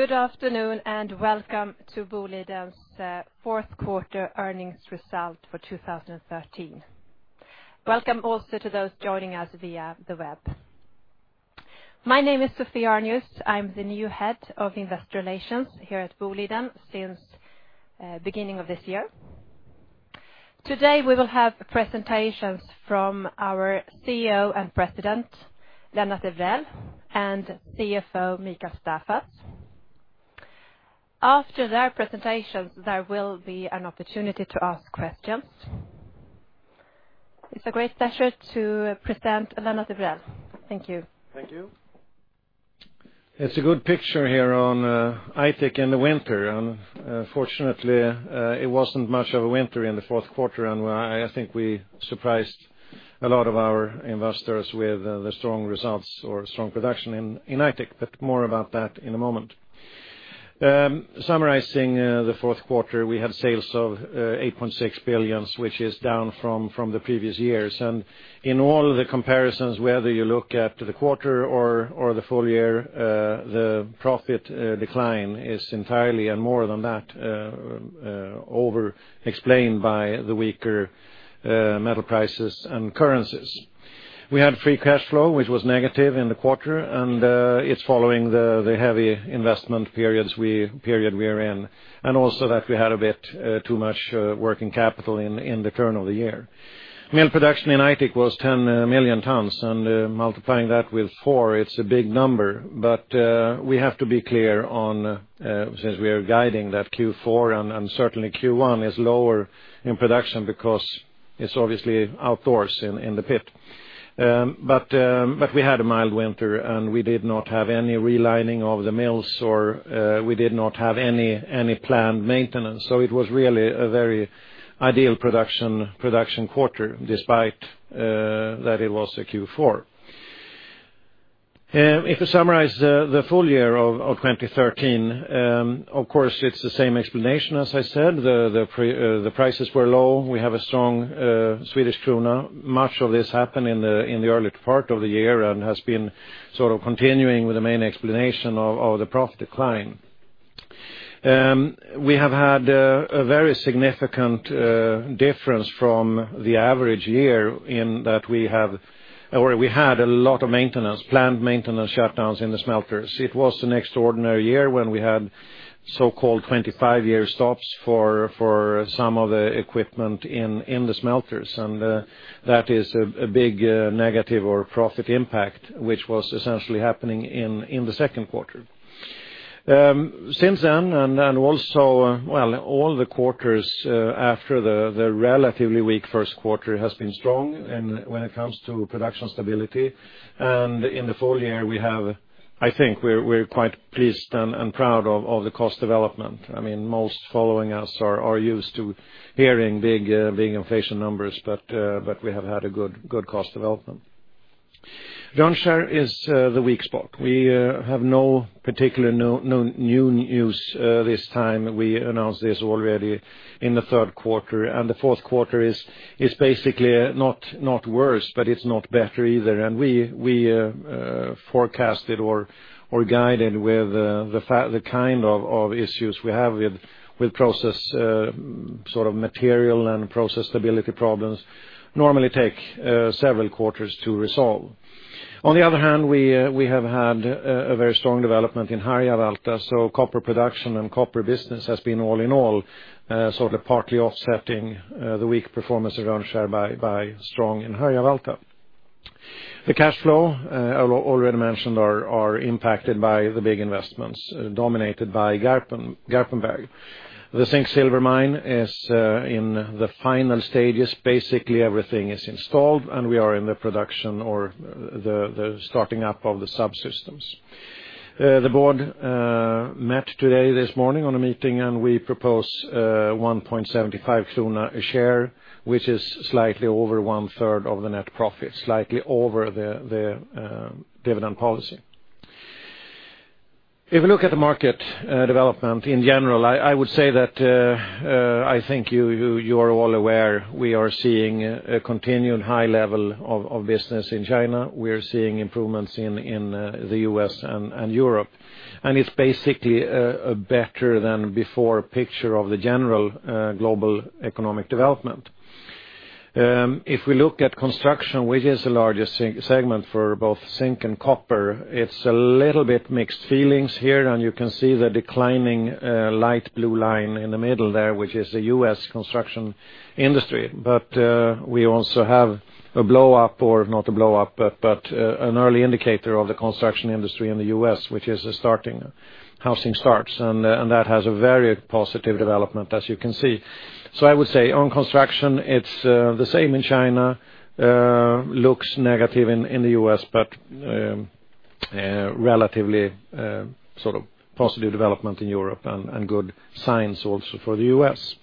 Good afternoon, welcome to Boliden's fourth quarter earnings result for 2013. Welcome also to those joining us via the web. My name is Sophie Arnius. I'm the new Head of Investor Relations here at Boliden since beginning of this year. Today, we will have presentations from our CEO and President, Lennart Evrell, and CFO, Mikael Staffas. After their presentations, there will be an opportunity to ask questions. It's a great pleasure to present Lennart Evrell. Thank you. Thank you. It's a good picture here on Aitik in the winter. Fortunately, it wasn't much of a winter in the fourth quarter, I think we surprised a lot of our investors with the strong results or strong production in Aitik, more about that in a moment. Summarizing the fourth quarter, we had sales of 8.6 billion, which is down from the previous years. In all of the comparisons, whether you look at the quarter or the full year, the profit decline is entirely, more than that, over explained by the weaker metal prices and currencies. We had free cash flow, which was negative in the quarter, it's following the heavy investment period we are in. Also that we had a bit too much working capital in the course of the year. Mill production in Aitik was 10 million tons, multiplying that with four, it's a big number. We have to be clear on, since we are guiding that Q4, certainly Q1 is lower in production because it's obviously outdoors in the pit. We had a mild winter, we did not have any relining of the mills, we did not have any planned maintenance. It was really a very ideal production quarter despite that it was a Q4. If we summarize the full year of 2013, of course, it's the same explanation as I said. The prices were low. We have a strong Swedish krona. Much of this happened in the early part of the year has been sort of continuing with the main explanation of the profit decline. We have had a very significant difference from the average year in that we had a lot of maintenance, planned maintenance shutdowns in the smelters. It was an extraordinary year when we had so-called 25-year stops for some of the equipment in the smelters. That is a big negative or profit impact, which was essentially happening in the second quarter. Since then, all the quarters after the relatively weak first quarter has been strong when it comes to production stability. In the full year, I think we're quite pleased and proud of the cost development. Most following us are used to hearing big inflation numbers, we have had a good cost development. Rönnskär is the weak spot. We have no particular new news this time. We announced this already in the third quarter, the fourth quarter is basically not worse, but it's not better either. We forecasted or guided with the kind of issues we have with process material and process stability problems normally take several quarters to resolve. On the other hand, we have had a very strong development in Harjavalta, so copper production and copper business has been all in all, sort of partly offsetting the weak performance of Rönnskär by strong in Harjavalta. The cash flow I already mentioned are impacted by the big investments dominated by Garpenberg. The zinc-silver mine is in the final stages. Basically, everything is installed, and we are in the production or the starting up of the subsystems. The board met today, this morning, on a meeting, we propose 1.75 kronor a share, which is slightly over one-third of the net profit, slightly over the dividend policy. If you look at the market development in general, I would say that I think you are all aware we are seeing a continued high level of business in China. We are seeing improvements in the U.S. and Europe. It's basically a better than before picture of the general global economic development. If we look at construction, which is the largest segment for both zinc and copper, it's a little bit mixed feelings here, and you can see the declining light blue line in the middle there, which is the U.S. construction industry. We also have a blow-up, or not a blow-up, but an early indicator of the construction industry in the U.S., which is housing starts. That has a very positive development, as you can see. I would say on construction, it's the same in China, looks negative in the U.S., but relatively positive development in Europe and good signs also for the U.S.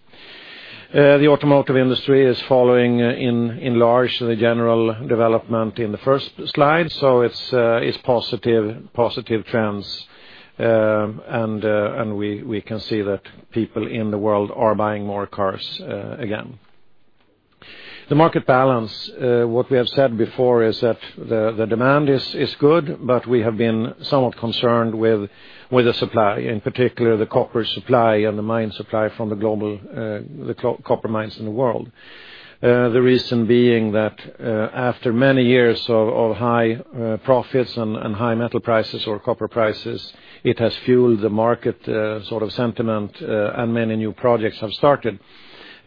The automotive industry is following in large the general development in the first slide. It's positive trends, and we can see that people in the world are buying more cars again. The market balance, what we have said before is that the demand is good, but we have been somewhat concerned with the supply, in particular the copper supply and the mine supply from the copper mines in the world. The reason being that after many years of high profits and high metal prices or copper prices, it has fueled the market sentiment and many new projects have started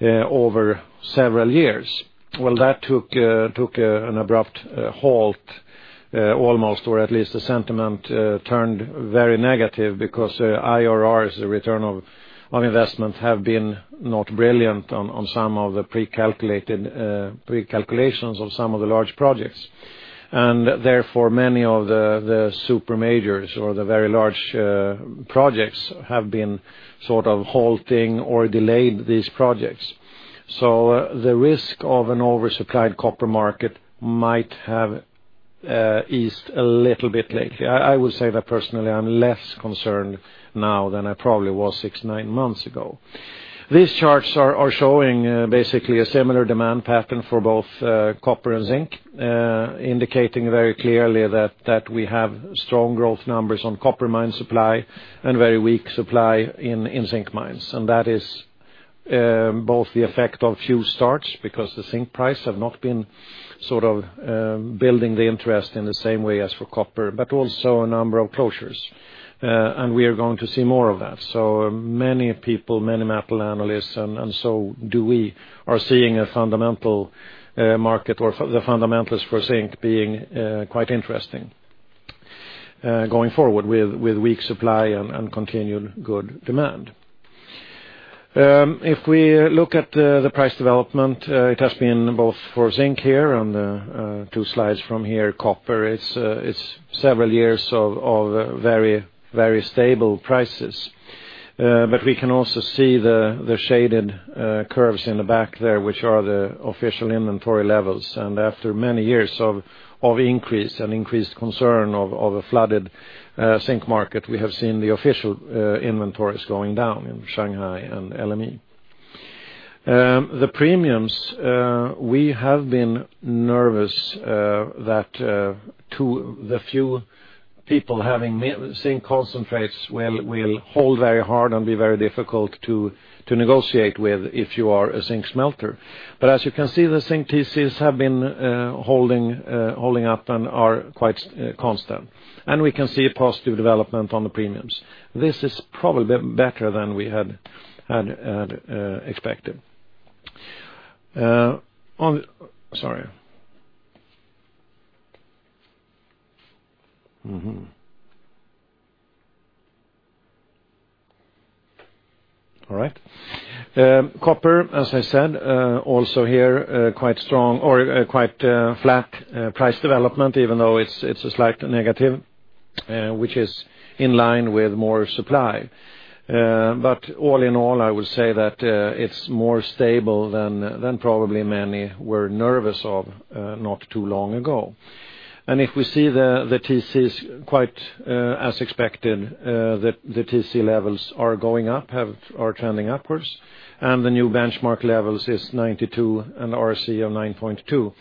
over several years. That took an abrupt halt almost, or at least the sentiment turned very negative because IRRs, the return of investment, have been not brilliant on some of the pre-calculations of some of the large projects. Therefore, many of the super majors or the very large projects have been halting or delayed these projects. The risk of an oversupplied copper market might have eased a little bit lately. I would say that personally, I'm less concerned now than I probably was six to nine months ago. These charts are showing basically a similar demand pattern for both copper and zinc, indicating very clearly that we have strong growth numbers on copper mine supply and very weak supply in zinc mines. That is both the effect of few starts because the zinc price have not been building the interest in the same way as for copper, but also a number of closures. We are going to see more of that. Many people, many metal analysts, and so do we, are seeing a fundamental market, or the fundamentals for zinc being quite interesting going forward with weak supply and continued good demand. If we look at the price development, it has been both for zinc here on the two slides from here, copper, it's several years of very stable prices. We can also see the shaded curves in the back there, which are the official inventory levels. After many years of increase and increased concern of a flooded zinc market, we have seen the official inventories going down in Shanghai and LME. The premiums, we have been nervous that the few people having zinc concentrates will hold very hard and be very difficult to negotiate with if you are a zinc smelter. As you can see, the zinc TCs have been holding up and are quite constant. We can see a positive development on the premiums. This is probably better than we had expected. Sorry. All right. Copper, as I said, also here quite strong or quite flat price development, even though it's a slight negative, which is in line with more supply. All in all, I would say that it's more stable than probably many were nervous of not too long ago. If we see the TCs quite as expected, the TC levels are going up, are trending upwards, and the new benchmark levels is 92 and RC of 9.2.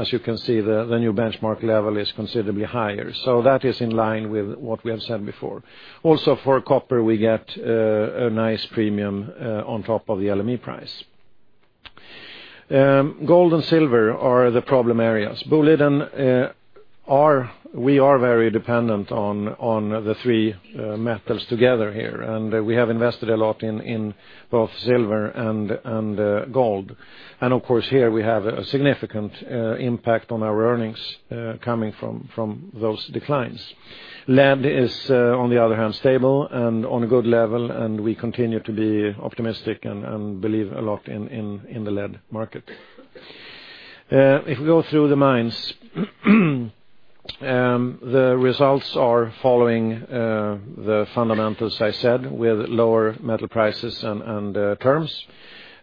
As you can see, the new benchmark level is considerably higher. That is in line with what we have said before. Also for copper, we get a nice premium on top of the LME price. Gold and silver are the problem areas. Boliden, we are very dependent on the three metals together here, we have invested a lot in both silver and gold. Of course, here we have a significant impact on our earnings coming from those declines. Lead is, on the other hand, stable and on a good level, we continue to be optimistic and believe a lot in the lead market. If we go through the mines, the results are following the fundamentals, as I said, with lower metal prices and terms.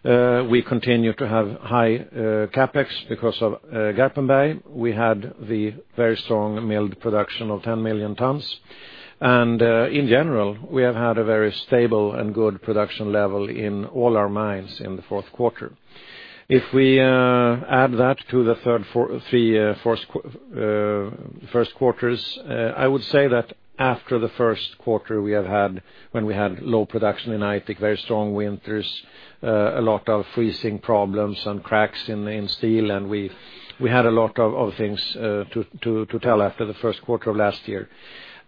We continue to have high CapEx because of Garpenberg. We had the very strong milled production of 10 million tons. In general, we have had a very stable and good production level in all our mines in the fourth quarter. If we add that to the first quarters, I would say that after the first quarter we have had, when we had low production in Aitik, very strong winters, a lot of freezing problems and cracks in steel, we had a lot of things to tell after the first quarter of last year.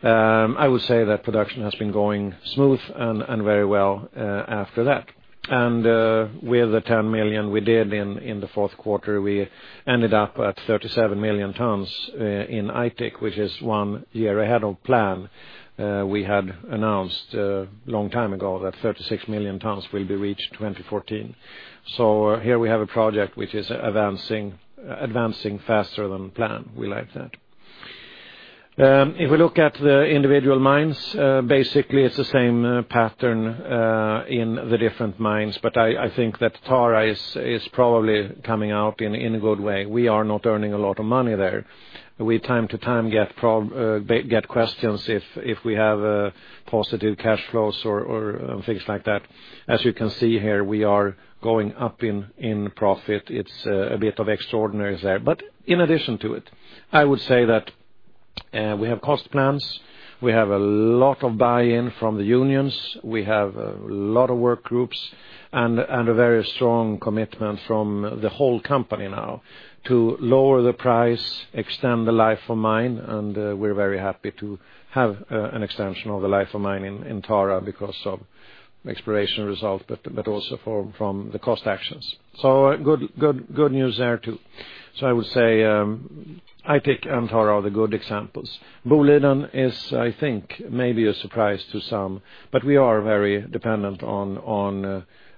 I would say that production has been going smooth and very well after that. With the 10 million we did in the fourth quarter, we ended up at 37 million tons in Aitik, which is one year ahead of plan. We had announced a long time ago that 36 million tons will be reached 2014. Here we have a project which is advancing faster than planned. We like that. If we look at the individual mines, basically it's the same pattern in the different mines, but I think that Tara is probably coming out in a good way. We are not earning a lot of money there. We time to time get questions if we have positive cash flows or things like that. As you can see here, we are going up in profit. It's a bit of extraordinaries there. In addition to it, I would say that we have cost plans. We have a lot of buy-in from the unions. We have a lot of work groups and a very strong commitment from the whole company now to lower the price, extend the life of mine, and we are very happy to have an extension of the life of mine in Tara because of exploration result, but also from the cost actions. Good news there too. I would say Aitik and Tara are the good examples. Boliden is, I think, maybe a surprise to some, but we are very dependent on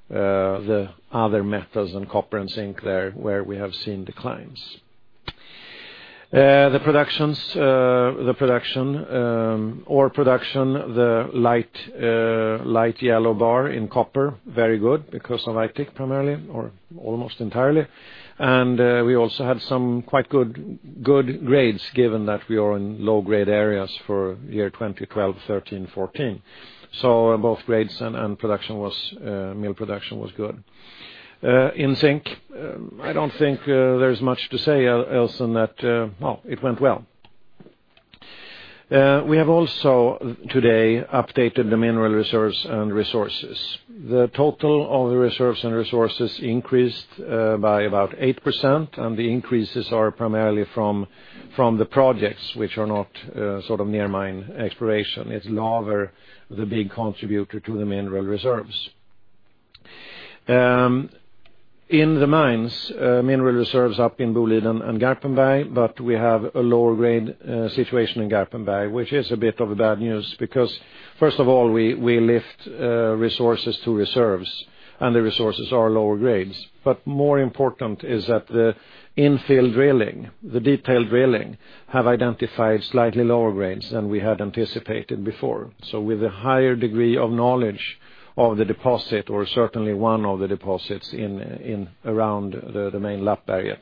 the other metals, and copper and zinc there, where we have seen declines. The production. Ore production, the light yellow bar in copper, very good because of Aitik primarily or almost entirely. We also had some quite good grades given that we are in low-grade areas for year 2012, 2013, 2014. Both grades and production was, mill production was good. In zinc, I don't think there's much to say else than that it went well. We have also today updated the mineral reserves and resources. The total of the reserves and resources increased by about 8%, and the increases are primarily from the projects which are not sort of near mine exploration. It's Laver the big contributor to the mineral reserves. In the mines, mineral reserves up in Boliden and Garpenberg. We have a lower grade situation in Garpenberg, which is a bit of a bad news because first of all, we lift resources to reserves, and the resources are lower grades. More important is that the in-field drilling, the detailed drilling, have identified slightly lower grades than we had anticipated before. With a higher degree of knowledge of the deposit, or certainly one of the deposits around the main Lappberget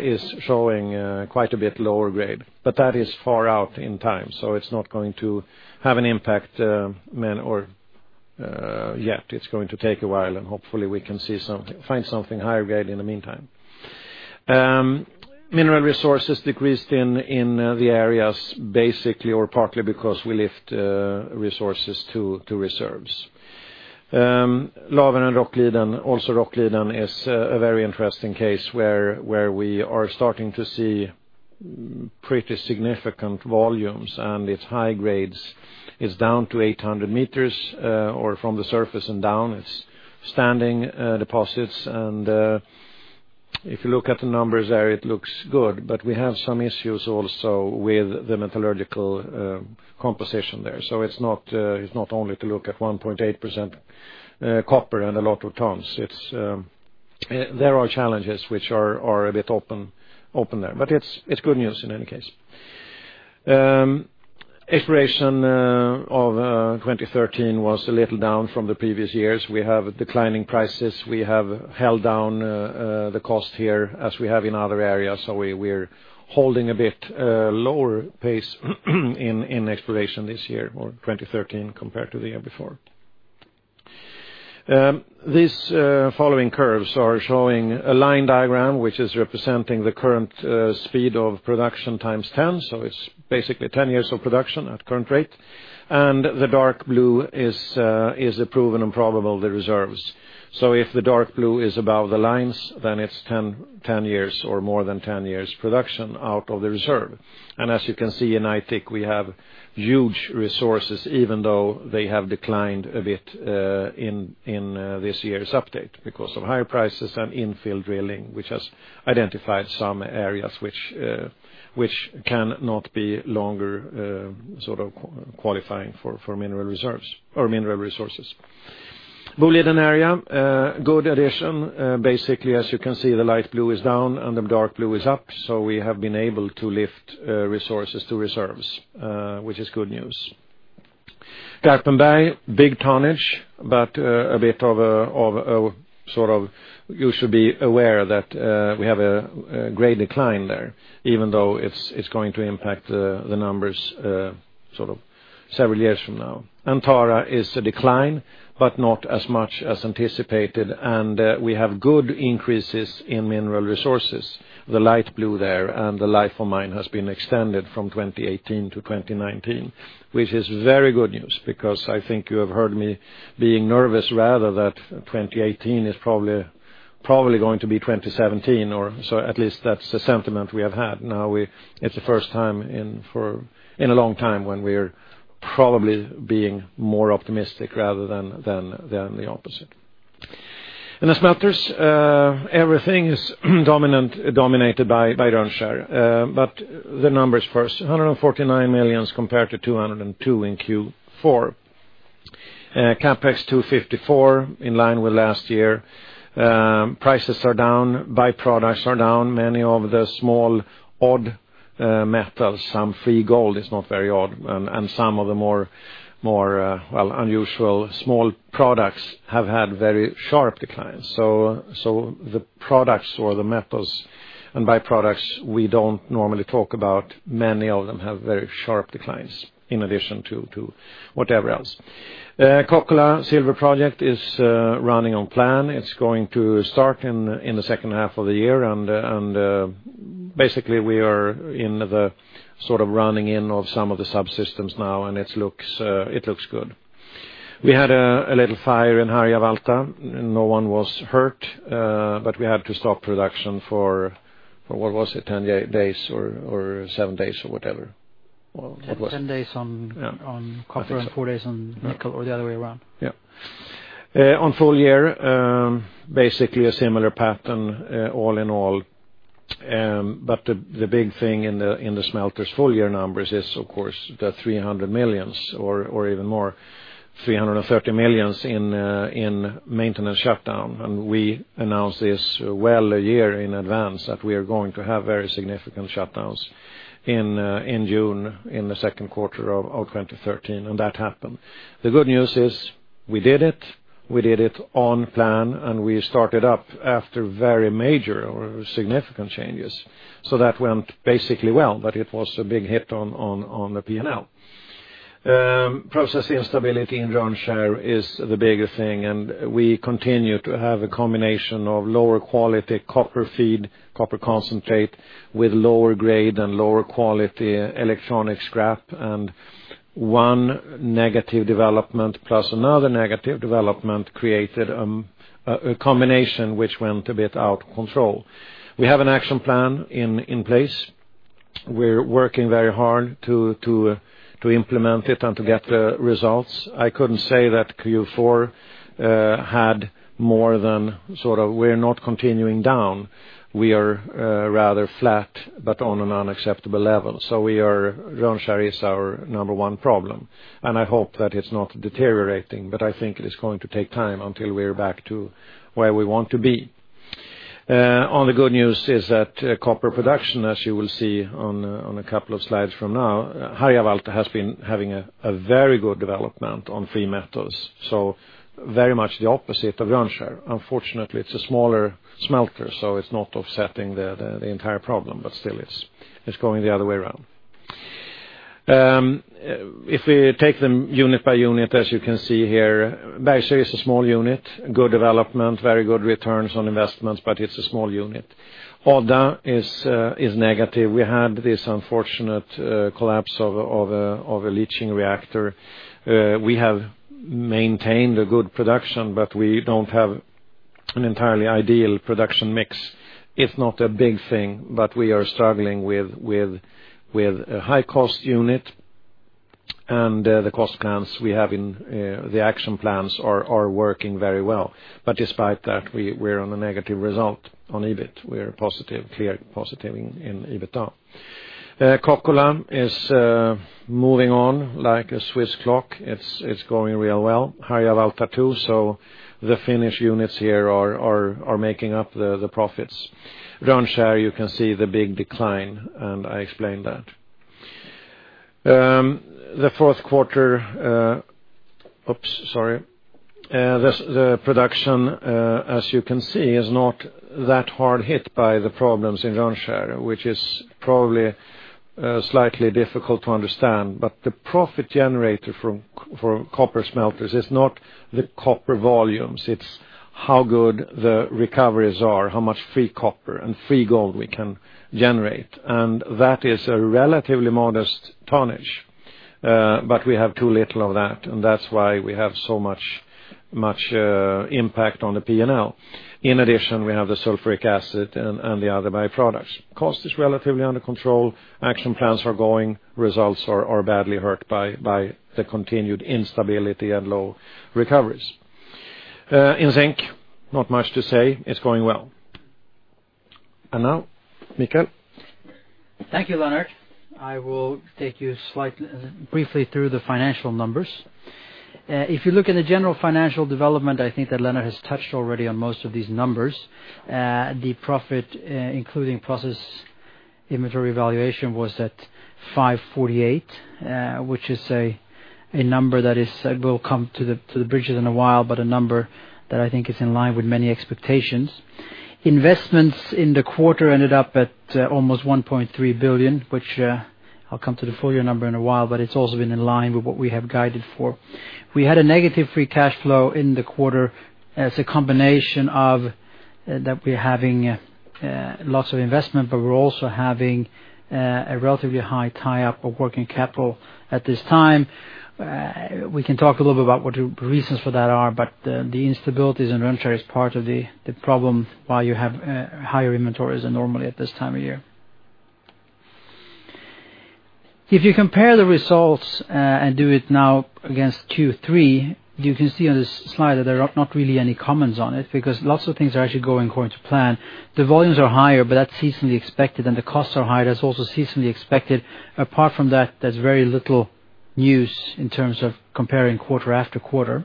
is showing quite a bit lower grade. That is far out in time, so it's not going to have an impact yet. It's going to take a while, and hopefully we can find something higher grade in the meantime. Mineral resources decreased in the areas basically, or partly because we lift resources to reserves. Laver and Rockliden, also Rockliden is a very interesting case where we are starting to see pretty significant volumes, and its high grades is down to 800 meters, or from the surface and down. It's standing deposits, and if you look at the numbers there, it looks good, but we have some issues also with the metallurgical composition there. It's not only to look at 1.8% copper and a lot of tons. There are challenges which are a bit open there, but it's good news in any case. Exploration of 2013 was a little down from the previous years. We have declining prices. We have held down the cost here as we have in other areas. We're holding a bit lower pace in exploration this year or 2013 compared to the year before. These following curves are showing a line diagram, which is representing the current speed of production times 10. It's basically 10 years of production at current rate. The dark blue is the proven and probable the reserves. If the dark blue is above the lines, then it's 10 years or more than 10 years production out of the reserve. As you can see in Aitik, we have huge resources, even though they have declined a bit in this year's update because of higher prices and in-field drilling, which has identified some areas which can not be longer sort of qualifying for mineral reserves or mineral resources. Boliden Area, good addition. Basically, as you can see, the light blue is down and the dark blue is up. We have been able to lift resources to reserves, which is good news. Garpenberg, big tonnage, a bit of a sort of you should be aware that we have a grade decline there, even though it's going to impact the numbers sort of several years from now. And Tara is a decline, but not as much as anticipated, and we have good increases in mineral resources, the light blue there, and the life of mine has been extended from 2018 to 2019, which is very good news because I think you have heard me being nervous rather that 2018 is probably going to be 2017 or so at least that's the sentiment we have had. Now it's the first time in a long time when we're probably being more optimistic rather than the opposite. In the smelters, everything is dominated by Rönnskär. The numbers first, 149 million compared to 202 in Q4. CapEx 254, in line with last year. Prices are down, by-products are down. Many of the small odd metals, some free gold is not very odd, and some of the more unusual small products have had very sharp declines. The products or the metals and by-products we don't normally talk about, many of them have very sharp declines in addition to whatever else. Kokkola Silver project is running on plan. It's going to start in the second half of the year, and basically we are in the sort of running in of some of the subsystems now, and it looks good. We had a little fire in Harjavalta. No one was hurt, but we had to stop production for, what was it? 10 days or seven days or whatever. What was it? 10 days on copper- I think so four days on nickel or the other way around. Yep. On full year, basically a similar pattern all in all. The big thing in the smelters' full year numbers is, of course, the 300 million or even more, 330 million in maintenance shutdown. We announced this well a year in advance, that we are going to have very significant shutdowns in June, in the second quarter of 2013, and that happened. The good news is we did it, we did it on plan, and we started up after very major or significant changes. That went basically well, but it was a big hit on the P&L. Process instability in Rönnskär is the biggest thing, and we continue to have a combination of lower quality copper feed, copper concentrate with lower grade and lower quality electronic scrap, and one negative development plus another negative development created a combination which went a bit out of control. We have an action plan in place. We're working very hard to implement it and to get results. I couldn't say that Q4 had more than sort of we're not continuing down. We are rather flat, but on an unacceptable level. Rönnskär is our number one problem, and I hope that it's not deteriorating, but I think it is going to take time until we're back to where we want to be. On the good news is that copper production, as you will see on a couple of slides from now, Harjavalta has been having a very good development on free metals, so very much the opposite of Rönnskär. Unfortunately, it's a smaller smelter, so it's not offsetting the entire problem, but still it's going the other way around. If we take them unit by unit, as you can see here, Bergsöe is a small unit, good development, very good returns on investments, but it's a small unit. Odda is negative. We had this unfortunate collapse of a leaching reactor. We have maintained a good production, but we don't have an entirely ideal production mix. It's not a big thing, but we are struggling with a high-cost unit and the cost plans we have in the action plans are working very well. Despite that, we're on a negative result on EBIT. We're positive, clear positive in EBITDA. Kokkola is moving on like a Swiss clock. It's going real well. Harjavalta too, the Finnish units here are making up the profits. Rönnskär, you can see the big decline, I explained that. The fourth quarter, oops, sorry. The production, as you can see, is not that hard hit by the problems in Rönnskär, which is probably slightly difficult to understand. The profit generated for copper smelters is not the copper volumes, it's how good the recoveries are, how much free copper and free gold we can generate. That is a relatively modest tonnage. We have too little of that, and that's why we have so much impact on the P&L. In addition, we have the sulfuric acid and the other by-products. Cost is relatively under control. Action plans are going. Results are badly hurt by the continued instability and low recoveries. In zinc, not much to say. It's going well. Now, Mikael. Thank you, Lennart. I will take you briefly through the financial numbers. If you look at the general financial development, I think that Lennart has touched already on most of these numbers. The profit, including process inventory valuation, was at 548, which is a number that is, we'll come to the bridges in a while, but a number that I think is in line with many expectations. Investments in the quarter ended up at almost 1.3 billion, which I'll come to the full year number in a while, but it's also been in line with what we have guided for. We had a negative free cash flow in the quarter as a combination of that we're having lots of investment, but we're also having a relatively high tie-up of working capital at this time. We can talk a little bit about what the reasons for that are, the instabilities in Rönnskär is part of the problem why you have higher inventories than normally at this time of year. If you compare the results and do it now against Q3, you can see on this slide that there are not really any comments on it, because lots of things are actually going according to plan. The volumes are higher, that's seasonally expected, the costs are higher. That's also seasonally expected. Apart from that, there's very little news in terms of comparing quarter after quarter.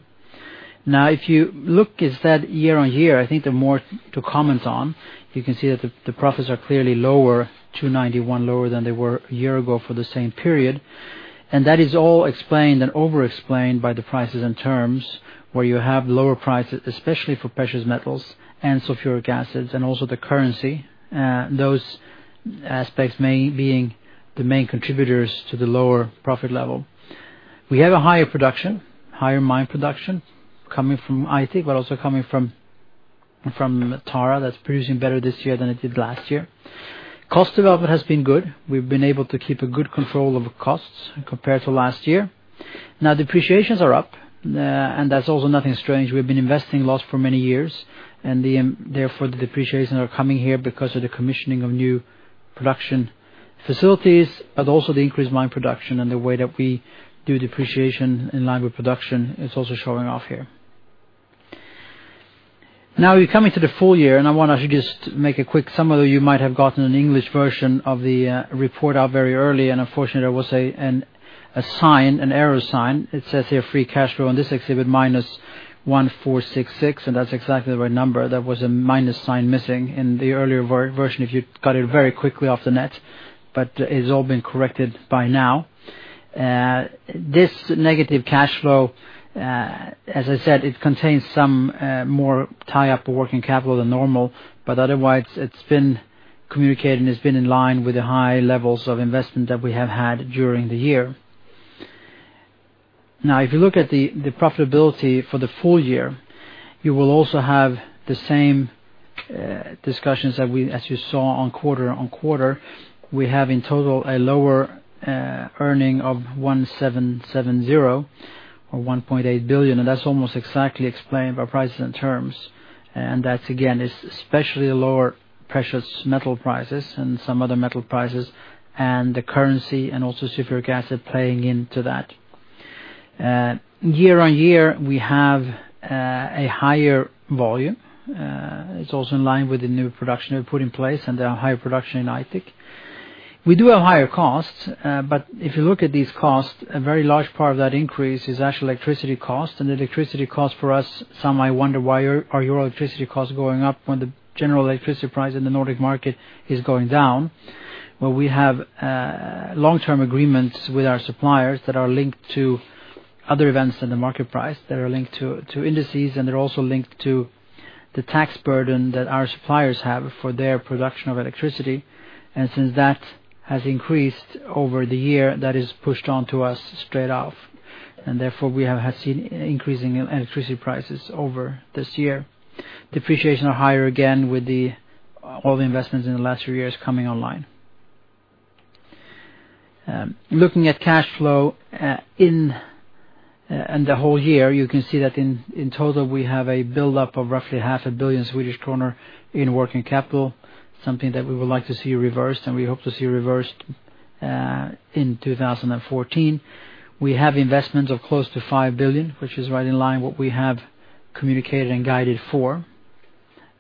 If you look instead year-on-year, I think the more to comment on. You can see that the profits are clearly lower, 291 lower than they were a year ago for the same period. That is all explained and overexplained by the prices and terms where you have lower prices, especially for precious metals and sulfuric acid and also the currency. Those aspects being the main contributors to the lower profit level. We have a higher production, higher mine production coming from Aitik, but also coming from Tara that's producing better this year than it did last year. Cost development has been good. We've been able to keep a good control over costs compared to last year. Depreciations are up, and that's also nothing strange. We've been investing less for many years, and therefore the depreciations are coming here because of the commissioning of new production facilities, but also the increased mine production and the way that we do depreciation in line with production, it's also showing off here. We're coming to the full year, I want to just make a quick summary. You might have gotten an English version of the report out very early, unfortunately there was a sign, an error sign. It says here free cash flow on this exhibit -1,466, that's exactly the right number. There was a minus sign missing in the earlier version if you got it very quickly off the net, it's all been corrected by now. This negative cash flow, as I said, it contains some more tie-up of working capital than normal, but otherwise it's been communicated and it's been in line with the high levels of investment that we have had during the year. If you look at the profitability for the full year, you will also have the same discussions as you saw on quarter-on-quarter. We have in total a lower earning of 1,770 or 1.8 billion, that's almost exactly explained by prices and terms. That's again, is especially the lower precious metal prices and some other metal prices and the currency and also sulfuric acid playing into that. Year-on-year, we have a higher volume. It's also in line with the new production we've put in place and the higher production in Aitik. We do have higher costs, if you look at these costs, a very large part of that increase is actually electricity cost and the electricity cost for us, some might wonder why are your electricity costs going up when the general electricity price in the Nordic market is going down. We have long-term agreements with our suppliers that are linked to other events in the market price, that are linked to indices, they're also linked to the tax burden that our suppliers have for their production of electricity. Since that has increased over the year, that is pushed onto us straight off. Therefore we have seen increasing electricity prices over this year. Depreciations are higher again with all the investments in the last few years coming online. Looking at cash flow in the whole year, you can see that in total, we have a buildup of roughly half a billion SEK in working capital, something that we would like to see reversed, and we hope to see reversed, in 2014. We have investments of close to 5 billion, which is right in line what we have communicated and guided for.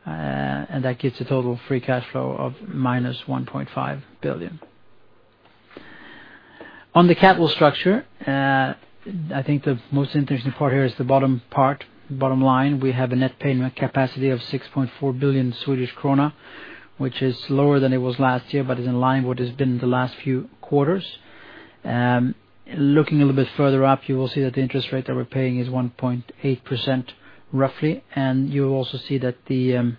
That gives a total free cash flow of minus 1.5 billion. On the capital structure, I think the most interesting part here is the bottom part, bottom line. We have a net payment capacity of 6.4 billion Swedish krona, which is lower than it was last year, but is in line with what it's been the last few quarters. Looking a little bit further up, you will see that the interest rate that we're paying is 1.8% roughly. You'll also see that the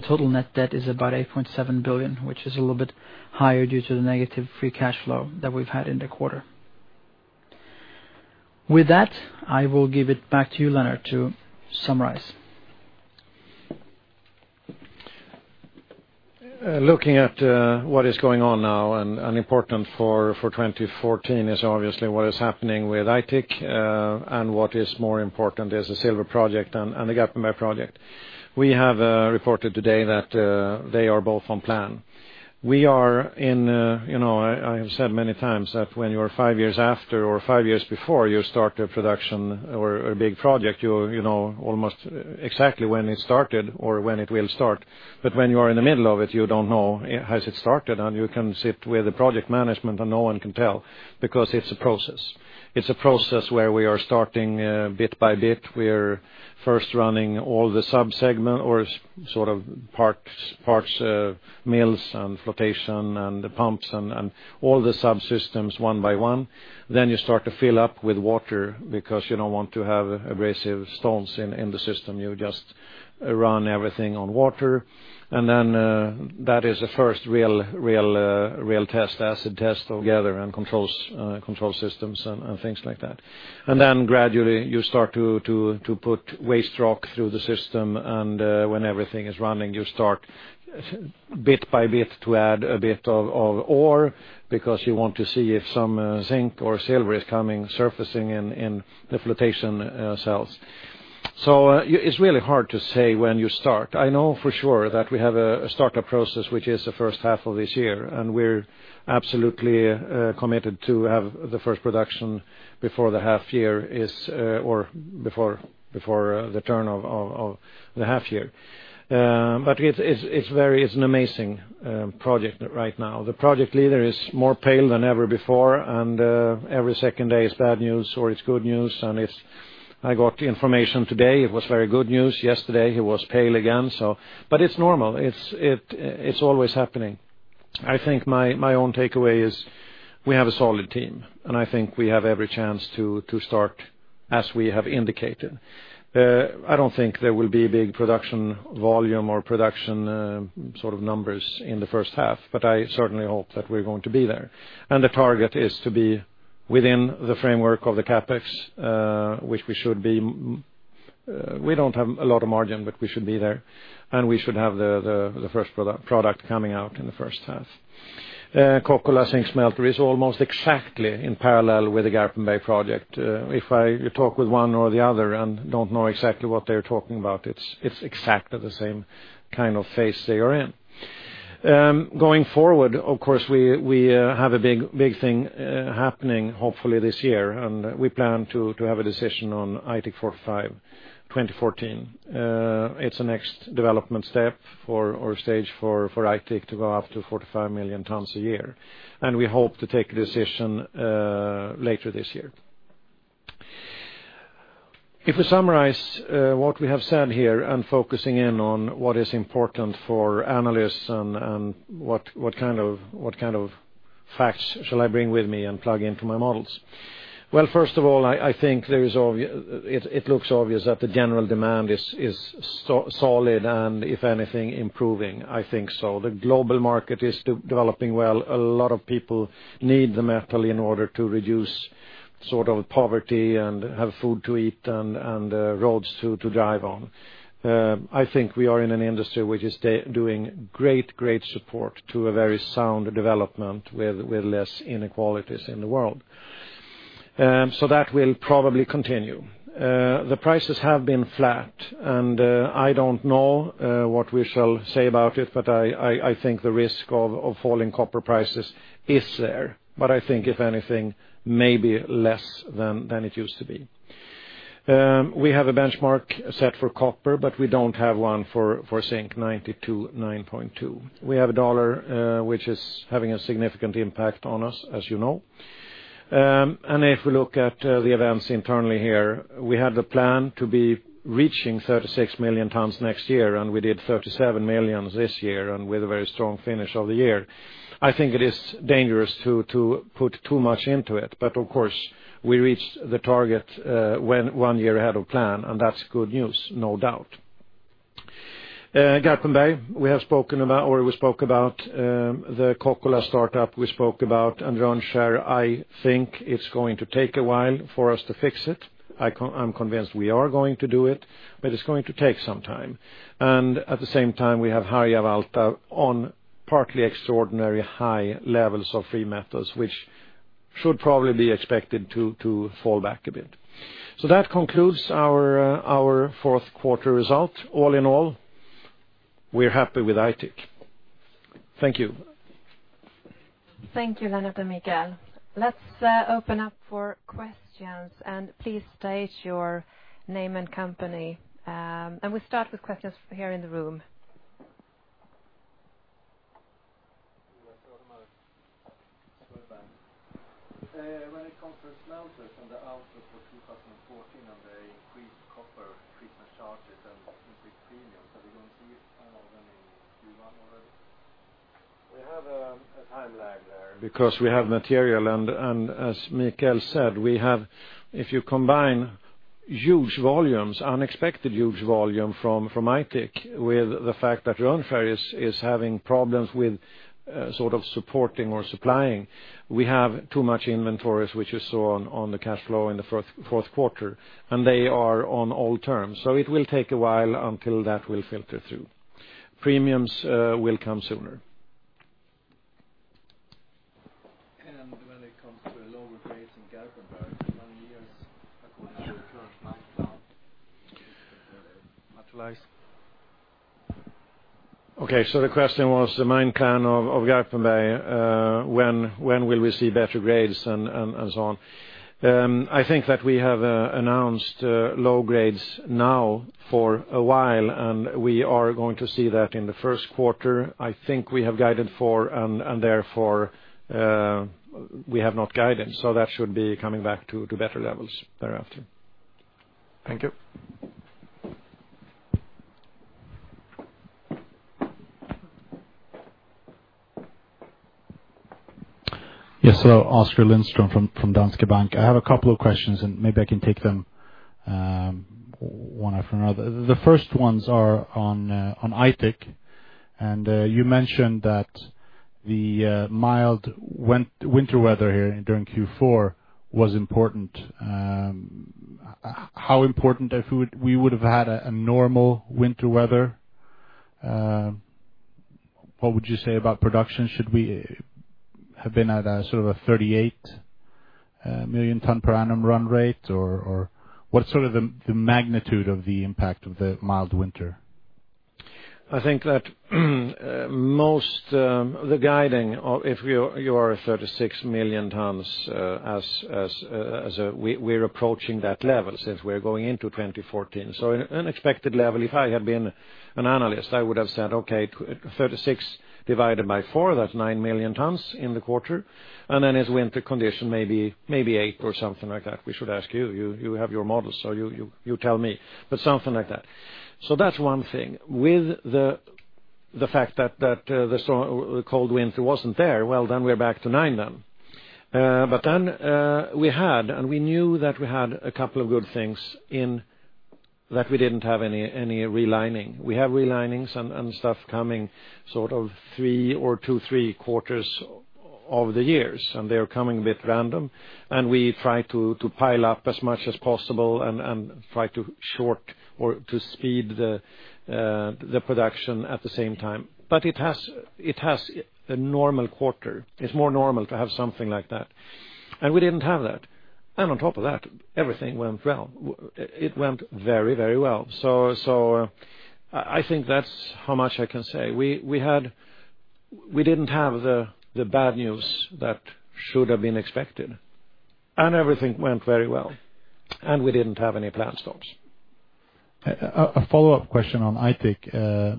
total net debt is about 8.7 billion, which is a little bit higher due to the negative free cash flow that we've had in the quarter. With that, I will give it back to you, Lennart, to summarize. Looking at what is going on now and important for 2014 is obviously what is happening with Aitik, and what is more important is the silver project and the Garpenberg project. We have reported today that they are both on plan. I have said many times that when you're five years after or five years before you start a production or a big project, you will know almost exactly when it started or when it will start. When you are in the middle of it, you don't know has it started, and you can sit with the project management and no one can tell because it's a process. It's a process where we are starting bit by bit. We're first running all the sub-segment or sort of parts, mills, and flotation and the pumps and all the subsystems one by one. You start to fill up with water because you don't want to have abrasive stones in the system. You just run everything on water. That is the first real acid test altogether and control systems and things like that. Gradually you start to put waste rock through the system, and when everything is running, you start bit by bit to add a bit of ore because you want to see if some zinc or silver is coming surfacing in the flotation cells. It's really hard to say when you start. I know for sure that we have a startup process, which is the first half of this year, and we're absolutely committed to have the first production before the turn of the half year. It's an amazing project right now. The project leader is more pale than ever before. Every second day is bad news or it's good news. I got information today it was very good news. Yesterday he was pale again. It's normal. It's always happening. I think my own takeaway is we have a solid team, and I think we have every chance to start as we have indicated. I don't think there will be big production volume or production sort of numbers in the first half, but I certainly hope that we're going to be there. The target is to be within the framework of the CapEx. We don't have a lot of margin, but we should be there, and we should have the first product coming out in the first half. Kokkola Zinc Smelter is almost exactly in parallel with the Garpenberg project. If I talk with one or the other and don't know exactly what they're talking about, it's exactly the same kind of phase they are in. Going forward, of course, we have a big thing happening hopefully this year, and we plan to have a decision on Aitik 45, 2014. It's the next development step or stage for Aitik to go up to 45 million tons a year, and we hope to take a decision later this year. If we summarize what we have said here and focusing in on what is important for analysts and what kind of facts shall I bring with me and plug into my models. Well, first of all, I think it looks obvious that the general demand is solid and, if anything, improving. I think so. The global market is developing well. A lot of people need the metal in order to reduce poverty and have food to eat and roads to drive on. I think we are in an industry which is doing great support to a very sound development with less inequalities in the world. That will probably continue. The prices have been flat, and I don't know what we shall say about it, but I think the risk of falling copper prices is there. I think if anything, maybe less than it used to be. We have a benchmark set for copper, but we don't have one for zinc 92/9.2. We have a dollar, which is having a significant impact on us, as you know. If we look at the events internally here, we have the plan to be reaching 36 million tons next year, and we did 37 million this year and with a very strong finish of the year. I think it is dangerous to put too much into it. Of course, we reached the target one year ahead of plan, and that's good news, no doubt. Garpenberg, we spoke about the Kokkola startup, we spoke about Rönnskär. I think it's going to take a while for us to fix it. I'm convinced we are going to do it, but it's going to take some time. At the same time, we have Harjavalta on partly extraordinary high levels of free metals, which should probably be expected to fall back a bit. That concludes our fourth quarter result. All in all, we're happy with Aitik. Thank you. Thank you, Lennart and Mikael. Let's open up for questions, please state your name and company. We start with questions here in the room. Ole Strømodden, Swedbank. When it comes to smelters and the outlook for 2014 and the increased copper treatment charges and increased premiums, are we going to see some of them in Q1 already? We have a time lag there because we have material, and as Mikael said, if you combine huge volumes, unexpected huge volume from Aitik with the fact that Rönnskär is having problems with supporting or supplying. We have too much inventories, which you saw on the cash flow in the fourth quarter, and they are on old terms. It will take a while until that will filter through. Premiums will come sooner. When it comes to the lower grades in Garpenberg, how many years according to the current mine plan will this materialize? Okay, the question was the mine plan of Garpenberg, when will we see better grades and so on. I think that we have announced low grades now for a while, and we are going to see that in the first quarter. I think we have guided for, and therefore, we have not guided. That should be coming back to better levels thereafter. Thank you. Yes. Oskar Lindström from Danske Bank. I have a couple of questions, maybe I can take them one after another. The first ones are on Aitik. You mentioned that the mild winter weather here during Q4 was important. How important, if we would have had a normal winter weather, what would you say about production? Should we have been at a 38 million tons per annum run rate, or what's the magnitude of the impact of the mild winter? I think that the guiding, if you are 36 million tons, we're approaching that level since we're going into 2014. An unexpected level. If I had been an analyst, I would have said, okay, 36 divided by four, that's nine million tons in the quarter. Then as winter condition, maybe eight or something like that. We should ask you. You have your models, you tell me, but something like that. That's one thing. With the fact that the cold winter wasn't there, well, then we're back to nine then. Then, we had, and we knew that we had a couple of good things in That we didn't have any relining. We have relinings and stuff coming three or two, three quarters of the years, and they're coming a bit random, and we try to pile up as much as possible and try to short or to speed the production at the same time. But it has a normal quarter. It's more normal to have something like that. We didn't have that. On top of that, everything went well. It went very, very well. I think that's how much I can say. We didn't have the bad news that should have been expected. Everything went very well, and we didn't have any plant stops. A follow-up question on Aitik.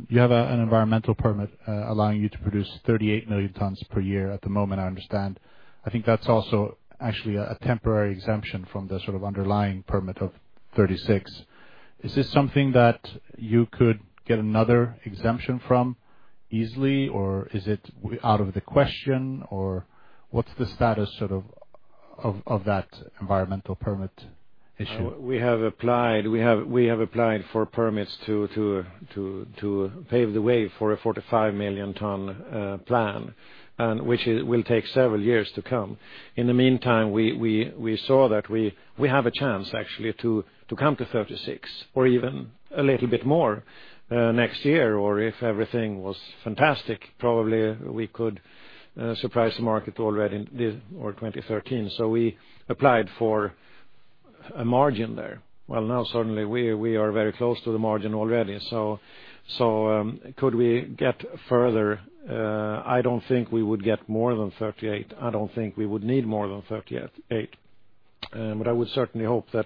You have an environmental permit allowing you to produce 38 million tons per year at the moment, I understand. I think that's also actually a temporary exemption from the sort of underlying permit of 36. Is this something that you could get another exemption from easily, or is it out of the question, or what's the status of that environmental permit issue? We have applied for permits to pave the way for a 45-million-ton plan, which will take several years to come. In the meantime, we saw that we have a chance actually to come to 36 or even a little bit more next year, or if everything was fantastic, probably we could surprise the market already or 2013. We applied for a margin there. Well, now suddenly we are very close to the margin already. Could we get further? I don't think we would get more than 38. I don't think we would need more than 38. I would certainly hope that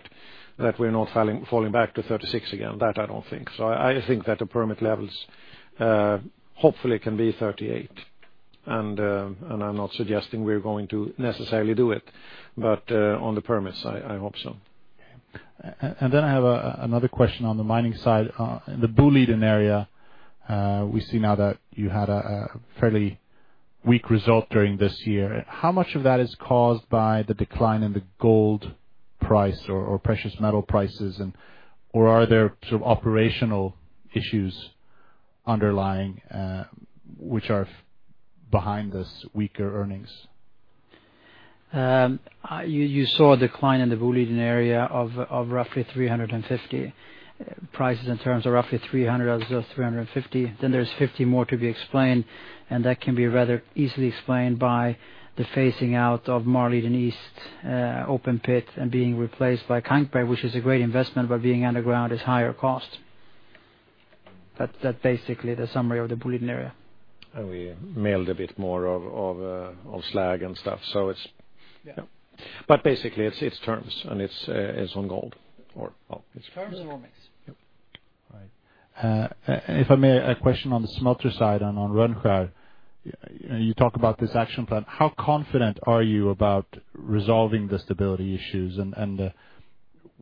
we're not falling back to 36 again. That I don't think. I think that the permit levels hopefully can be 38, and I'm not suggesting we're going to necessarily do it, but on the permits, I hope so. Okay. I have another question on the mining side. In the Boliden Area, we see now that you had a fairly weak result during this year. How much of that is caused by the decline in the gold price or precious metal prices, or are there operational issues underlying which are behind this weaker earnings? You saw a decline in the Boliden Area of roughly 350. Prices in terms of roughly 300 out of 350. There's 50 more to be explained, and that can be rather easily explained by the phasing out of Maurliden Östra open pit and being replaced by Kankberg, which is a great investment, but being underground is higher cost. That's basically the summary of the Boliden Area. We milled a bit more of slag and stuff. Yeah. Basically it's terms, and it's on gold. It's terms and raw mix. Yep. All right. If I may, a question on the smelter side and on Rönnskär. You talk about this action plan. How confident are you about resolving the stability issues, and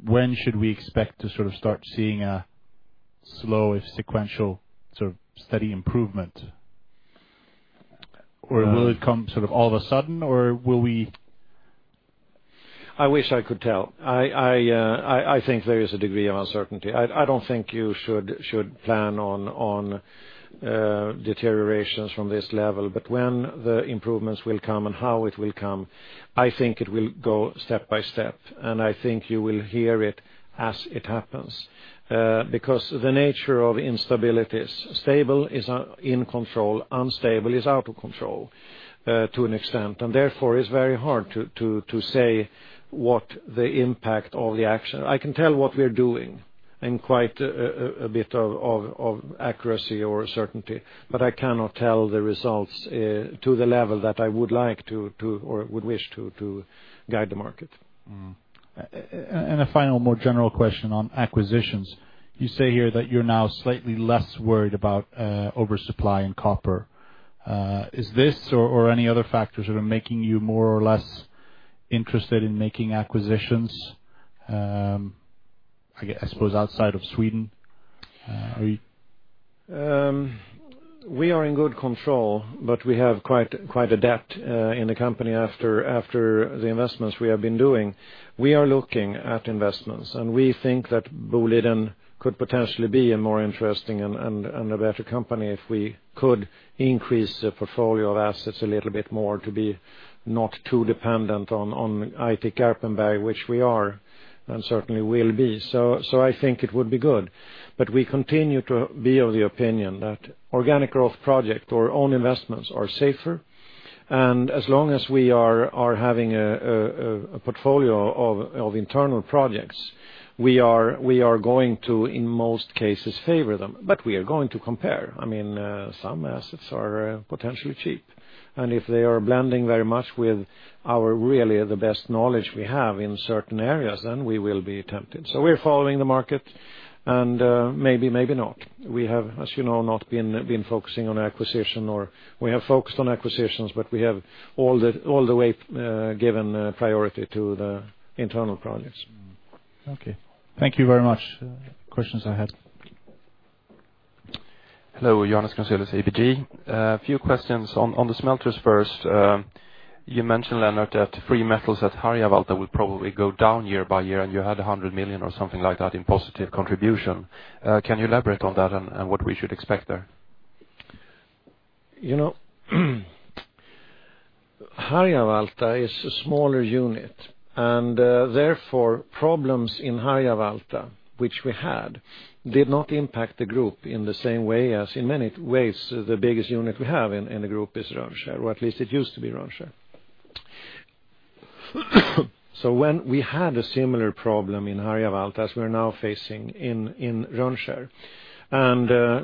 when should we expect to start seeing a slow, if sequential, steady improvement? Or will it come all of a sudden, or will we? I wish I could tell. I think there is a degree of uncertainty. I don't think you should plan on deteriorations from this level, but when the improvements will come and how it will come, I think it will go step by step, and I think you will hear it as it happens. Because the nature of instabilities. Stable is in control, unstable is out of control to an extent, and therefore it's very hard to say what the impact or the action. I can tell what we're doing in quite a bit of accuracy or certainty, but I cannot tell the results to the level that I would like to or would wish to guide the market. A final, more general question on acquisitions. You say here that you're now slightly less worried about oversupply in copper. Is this or any other factors that are making you more or less interested in making acquisitions, I suppose, outside of Sweden? Are you- We are in good control, but we have quite adapt in the company after the investments we have been doing. We are looking at investments, and we think that Boliden could potentially be a more interesting and a better company if we could increase the portfolio of assets a little bit more to be not too dependent on Aitik, Garpenberg, which we are, and certainly will be. I think it would be good. We continue to be of the opinion that organic growth project or own investments are safer, and as long as we are having a portfolio of internal projects, we are going to, in most cases, favor them. We are going to compare. Some assets are potentially cheap, and if they are blending very much with our really the best knowledge we have in certain areas, then we will be tempted. We're following the market, and maybe not. We have, as you know, not been focusing on acquisition, or we have focused on acquisitions, but we have all the way given priority to the internal projects. Okay. Thank you very much. Questions I had. Hello, Johannes Grunselius, ABG. A few questions on the smelters first. You mentioned, Lennart, that free metals at Harjavalta will probably go down year by year, and you had 100 million or something like that in positive contribution. Can you elaborate on that and what we should expect there? Harjavalta is a smaller unit. Therefore, problems in Harjavalta, which we had, did not impact the group in the same way as in many ways, the biggest unit we have in the group is Rönnskär, or at least it used to be Rönnskär. When we had a similar problem in Harjavalta as we're now facing in Rönnskär,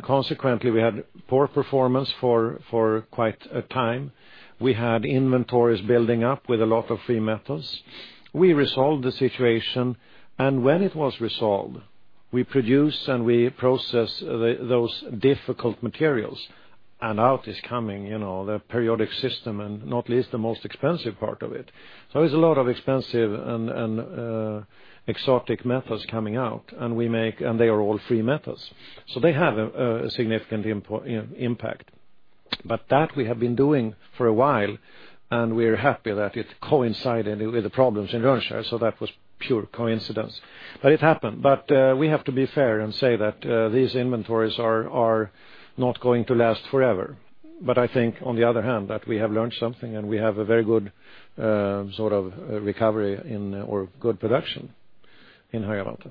consequently, we had poor performance for quite a time. We had inventories building up with a lot of free metals. We resolved the situation. When it was resolved, we produce and we process those difficult materials. Out is coming the periodic system, not least the most expensive part of it. There's a lot of expensive and exotic metals coming out. They are all free metals. They have a significant impact. That we have been doing for a while. We are happy that it coincided with the problems in Rönnskär. That was pure coincidence. It happened. We have to be fair and say that these inventories are not going to last forever. I think on the other hand, that we have learned something. We have a very good recovery or good production in Harjavalta.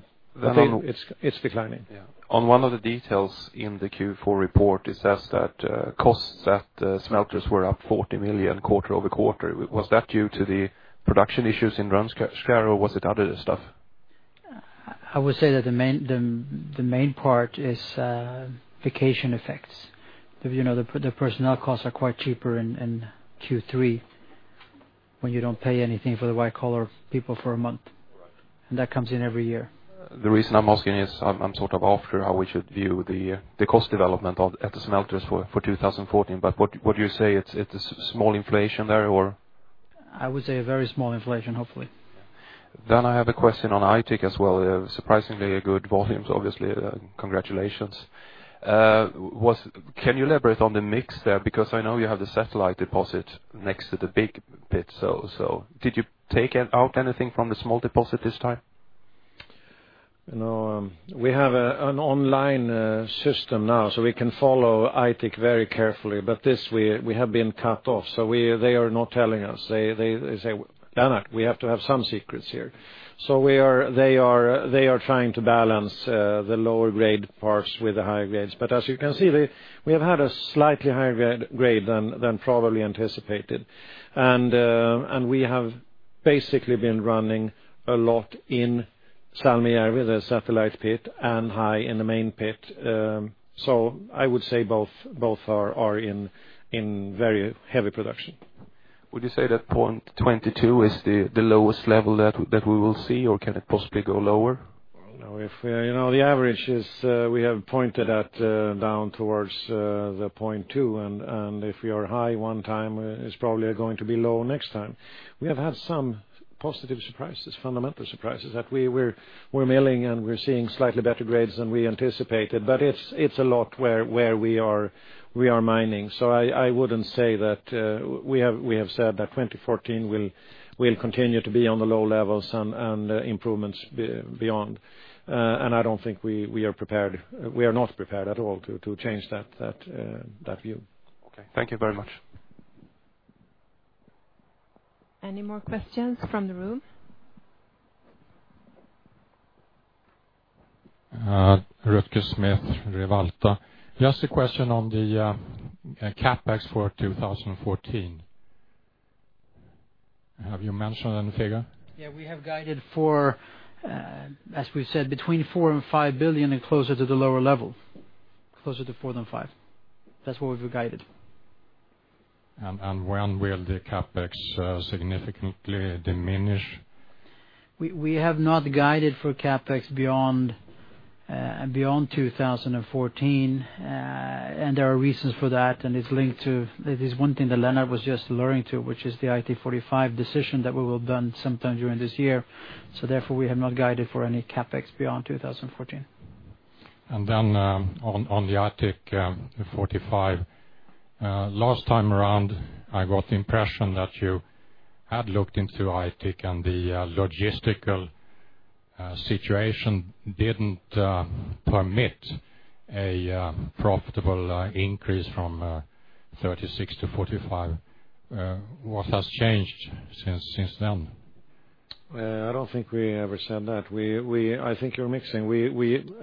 It's declining. On one of the details in the Q4 report, it says that costs at smelters were up 40 million quarter-over-quarter. Was that due to the production issues in Rönnskär, or was it other stuff? I would say that the main part is vacation effects. The personnel costs are quite cheaper in Q3 when you don't pay anything for the white-collar people for a month. Right. That comes in every year. The reason I'm asking is I'm after how we should view the cost development at the smelters for 2014, would you say it's a small inflation there? I would say a very small inflation, hopefully. I have a question on Aitik as well. Surprisingly good volumes, obviously. Congratulations. Can you elaborate on the mix there? Because I know you have the satellite deposit next to the big pit. Did you take out anything from the small deposit this time? We have an online system now, we can follow Aitik very carefully. This week, we have been cut off. They are not telling us. They say, "Lennart, we have to have some secrets here." They are trying to balance the lower-grade parts with the higher grades. As you can see, we have had a slightly higher grade than probably anticipated. We have basically been running a lot in Salmijärvi, the satellite pit, and high in the main pit. I would say both are in very heavy production. Would you say that 0.22 is the lowest level that we will see, or can it possibly go lower? The average is we have pointed at down towards the 0.2, if we are high one time, it's probably going to be low next time. We have had some positive surprises, fundamental surprises, that we're milling, we're seeing slightly better grades than we anticipated. It's a lot where we are mining. I wouldn't say that we have said that 2014 will continue to be on the low levels and improvements beyond. I don't think we are not prepared at all to change that view. Okay. Thank you very much. Any more questions from the room? Rutger Smith, Revolta. Just a question on the CapEx for 2014. Have you mentioned any figure? We have guided for, as we've said, between 4 billion and 5 billion and closer to the lower level, closer to 4 billion than 5 billion. That's what we've guided. When will the CapEx significantly diminish? We have not guided for CapEx beyond 2014. There are reasons for that, and it is one thing that Lennart was just alluding to, which is the Aitik 45 decision that we will have done sometime during this year. Therefore, we have not guided for any CapEx beyond 2014. Then on the Aitik 45. Last time around, I got the impression that you had looked into Aitik and the logistical situation didn't permit a profitable increase from 36 to 45. What has changed since then? I don't think we ever said that. I think you're mixing.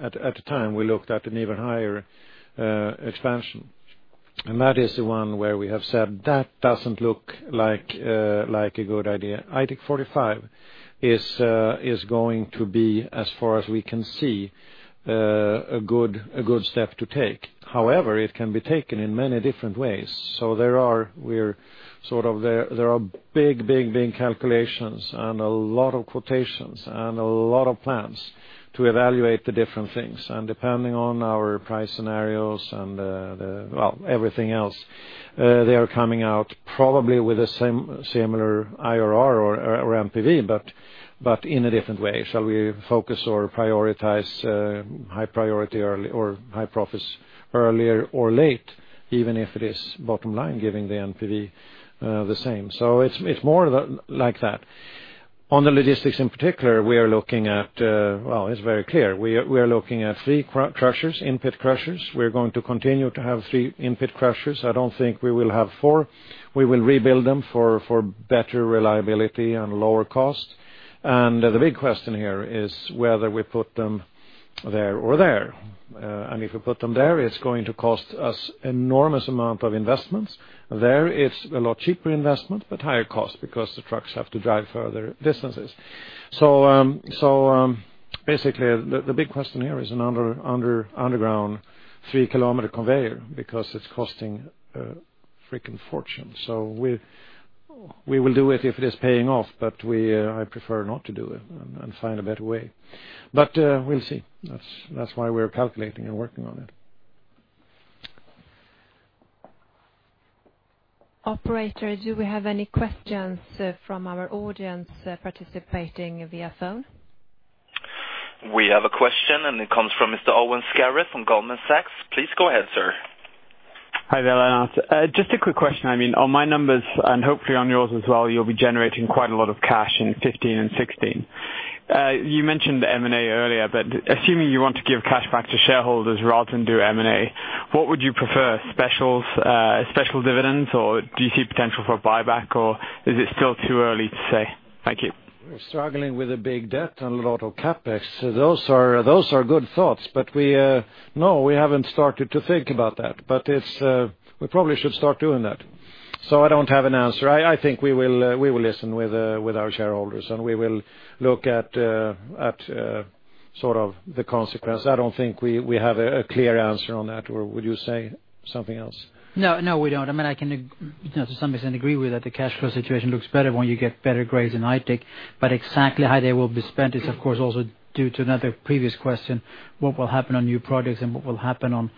At the time, we looked at an even higher expansion, and that is the one where we have said that doesn't look like a good idea. Aitik 45 is going to be, as far as we can see, a good step to take. However, it can be taken in many different ways. There are big calculations and a lot of quotations and a lot of plans to evaluate the different things. Depending on our price scenarios and everything else, they are coming out probably with a similar IRR or NPV, but in a different way. Shall we focus or prioritize high priority or high profits earlier or late, even if it is bottom line, giving the NPV the same? It's more like that. On the logistics in particular, we are looking at, well, it's very clear. We are looking at three in-pit crushers. We are going to continue to have three in-pit crushers. I do not think we will have four. We will rebuild them for better reliability and lower cost. The big question here is whether we put them there or there. If we put them there, it is going to cost us enormous amount of investments. There, it is a lot cheaper investment, but higher cost because the trucks have to drive further distances. Basically, the big question here is an underground three-kilometer conveyor, because it is costing a freaking fortune. We will do it if it is paying off, but I prefer not to do it and find a better way. We will see. That is why we are calculating and working on it. Operator, do we have any questions from our audience participating via phone? We have a question, and it comes from Mr. Owen Skerrett from Goldman Sachs. Please go ahead, sir. Hi there. Just a quick question. On my numbers, and hopefully on yours as well, you will be generating quite a lot of cash in 2015 and 2016. You mentioned M&A earlier, but assuming you want to give cash back to shareholders rather than do M&A, what would you prefer? Special dividends, or do you see potential for buyback, or is it still too early to say? Thank you. We're struggling with a big debt and a lot of CapEx. Those are good thoughts. No, we haven't started to think about that. We probably should start doing that. I don't have an answer. I think we will listen with our shareholders, and we will look at the consequence. I don't think we have a clear answer on that, or would you say something else? No, we don't. I can, to some extent, agree with that the cash flow situation looks better when you get better grades in Aitik, exactly how they will be spent is, of course, also due to another previous question, what will happen on new projects and what will happen on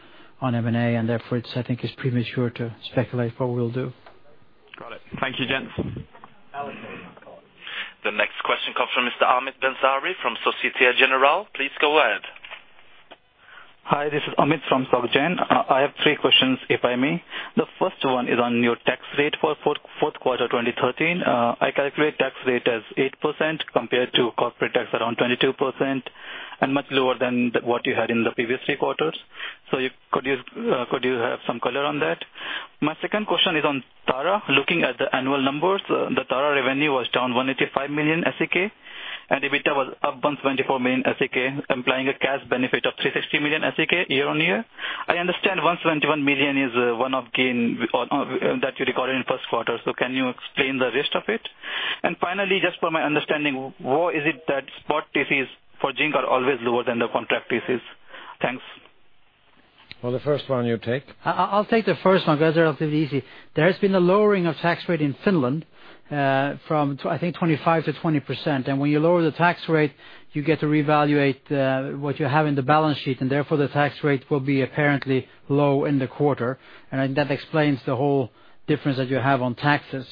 M&A, therefore, I think it's premature to speculate what we'll do. Got it. Thank you, gents. The next question comes from Mr. Amit Bansal from Societe Generale. Please go ahead. Hi, this is Amit from Société Générale. I have three questions, if I may. The first one is on your tax rate for fourth quarter 2013. I calculate tax rate as 8% compared to corporate tax around 22%, and much lower than what you had in the previous three quarters. Could you have some color on that? My second question is on Tara. Looking at the annual numbers, the Tara revenue was down 185 million SEK, and EBITDA was up 124 million SEK, implying a cash benefit of 360 million SEK year-on-year. I understand 171 million is one of gain that you recorded in first quarter. Can you explain the rest of it? Finally, just for my understanding, why is it that spot TCs for zinc are always lower than the contract TCs? Thanks. Well, the first one, you take. I'll take the first one, because they're relatively easy. There has been a lowering of tax rate in Finland from I think 25% to 20%. When you lower the tax rate, you get to reevaluate what you have in the balance sheet, therefore the tax rate will be apparently low in the quarter, and that explains the whole difference that you have on taxes.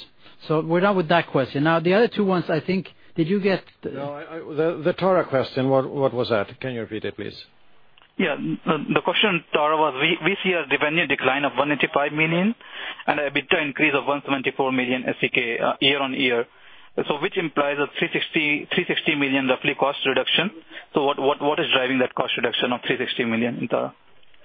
We're done with that question. The other two ones, I think. No, the Tara question, what was that? Can you repeat it, please? Yeah. The question on Tara was we see a revenue decline of 185 million and a EBITDA increase of 124 million SEK year-on-year. Which implies a 360 million roughly cost reduction. What is driving that cost reduction of 360 million in Tara?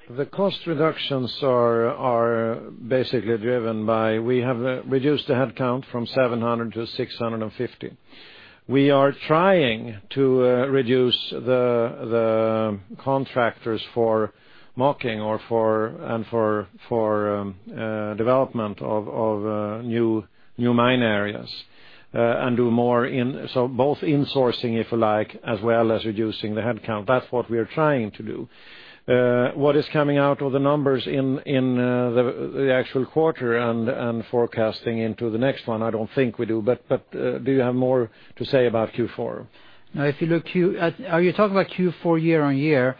The cost reductions are basically driven by, we have reduced the headcount from 700 to 650. We are trying to reduce the contractors for mucking and for development of new mine areas, and do more in, so both insourcing, if you like, as well as reducing the headcount. That's what we are trying to do. What is coming out of the numbers in the actual quarter and forecasting into the next one, I don't think we do. Do you have more to say about Q4? No. Are you talking about Q4 year-on-year?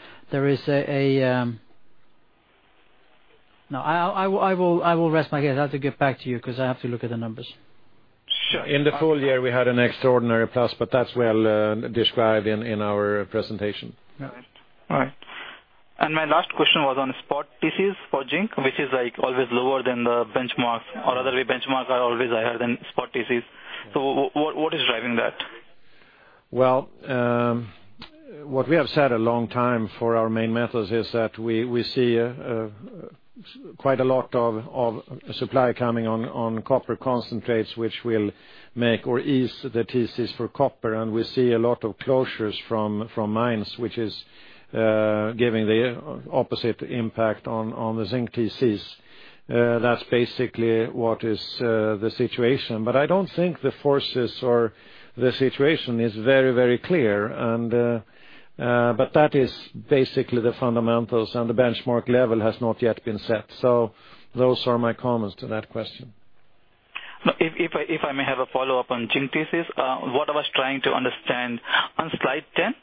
No, I will rest my case. I have to get back to you, because I have to look at the numbers. Sure. In the full year, we had an extraordinary plus, but that's well described in our presentation. My last question was on spot TCs for zinc, which is always lower than the benchmark, or rather the benchmarks are always higher than spot TCs. What is driving that? Well, what we have said a long time for our main metals is that we see quite a lot of supply coming on copper concentrates, which will make or ease the TCs for copper, and we see a lot of closures from mines, which is giving the opposite impact on the zinc TCs. That's basically what is the situation. I don't think the forces or the situation is very clear. That is basically the fundamentals, and the benchmark level has not yet been set. Those are my comments to that question. If I may have a follow-up on zinc TCs. What I was trying to understand, on slide 10,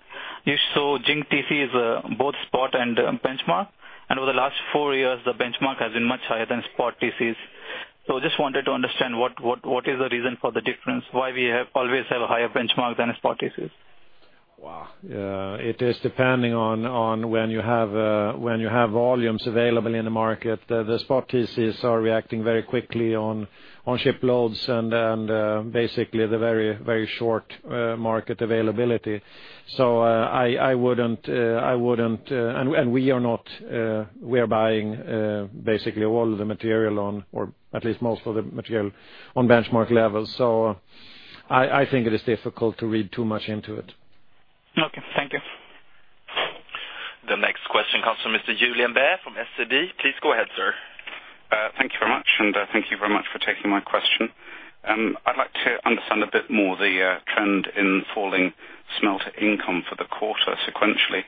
you saw zinc TCs both spot and benchmark, and over the last four years, the benchmark has been much higher than spot TCs. Just wanted to understand what is the reason for the difference, why we always have a higher benchmark than a spot TCs. Wow. It is depending on when you have volumes available in the market. The spot TCs are reacting very quickly on shiploads and basically the very short market availability. I wouldn't, and we are buying basically all the material, or at least most of the material, on benchmark levels. I think it is difficult to read too much into it. Okay. Thank you. The next question comes from Mr. Julien Bair from SEB. Please go ahead, sir. Thank you very much, and thank you very much for taking my question. I'd like to understand a bit more the trend in falling smelter income for the quarter sequentially.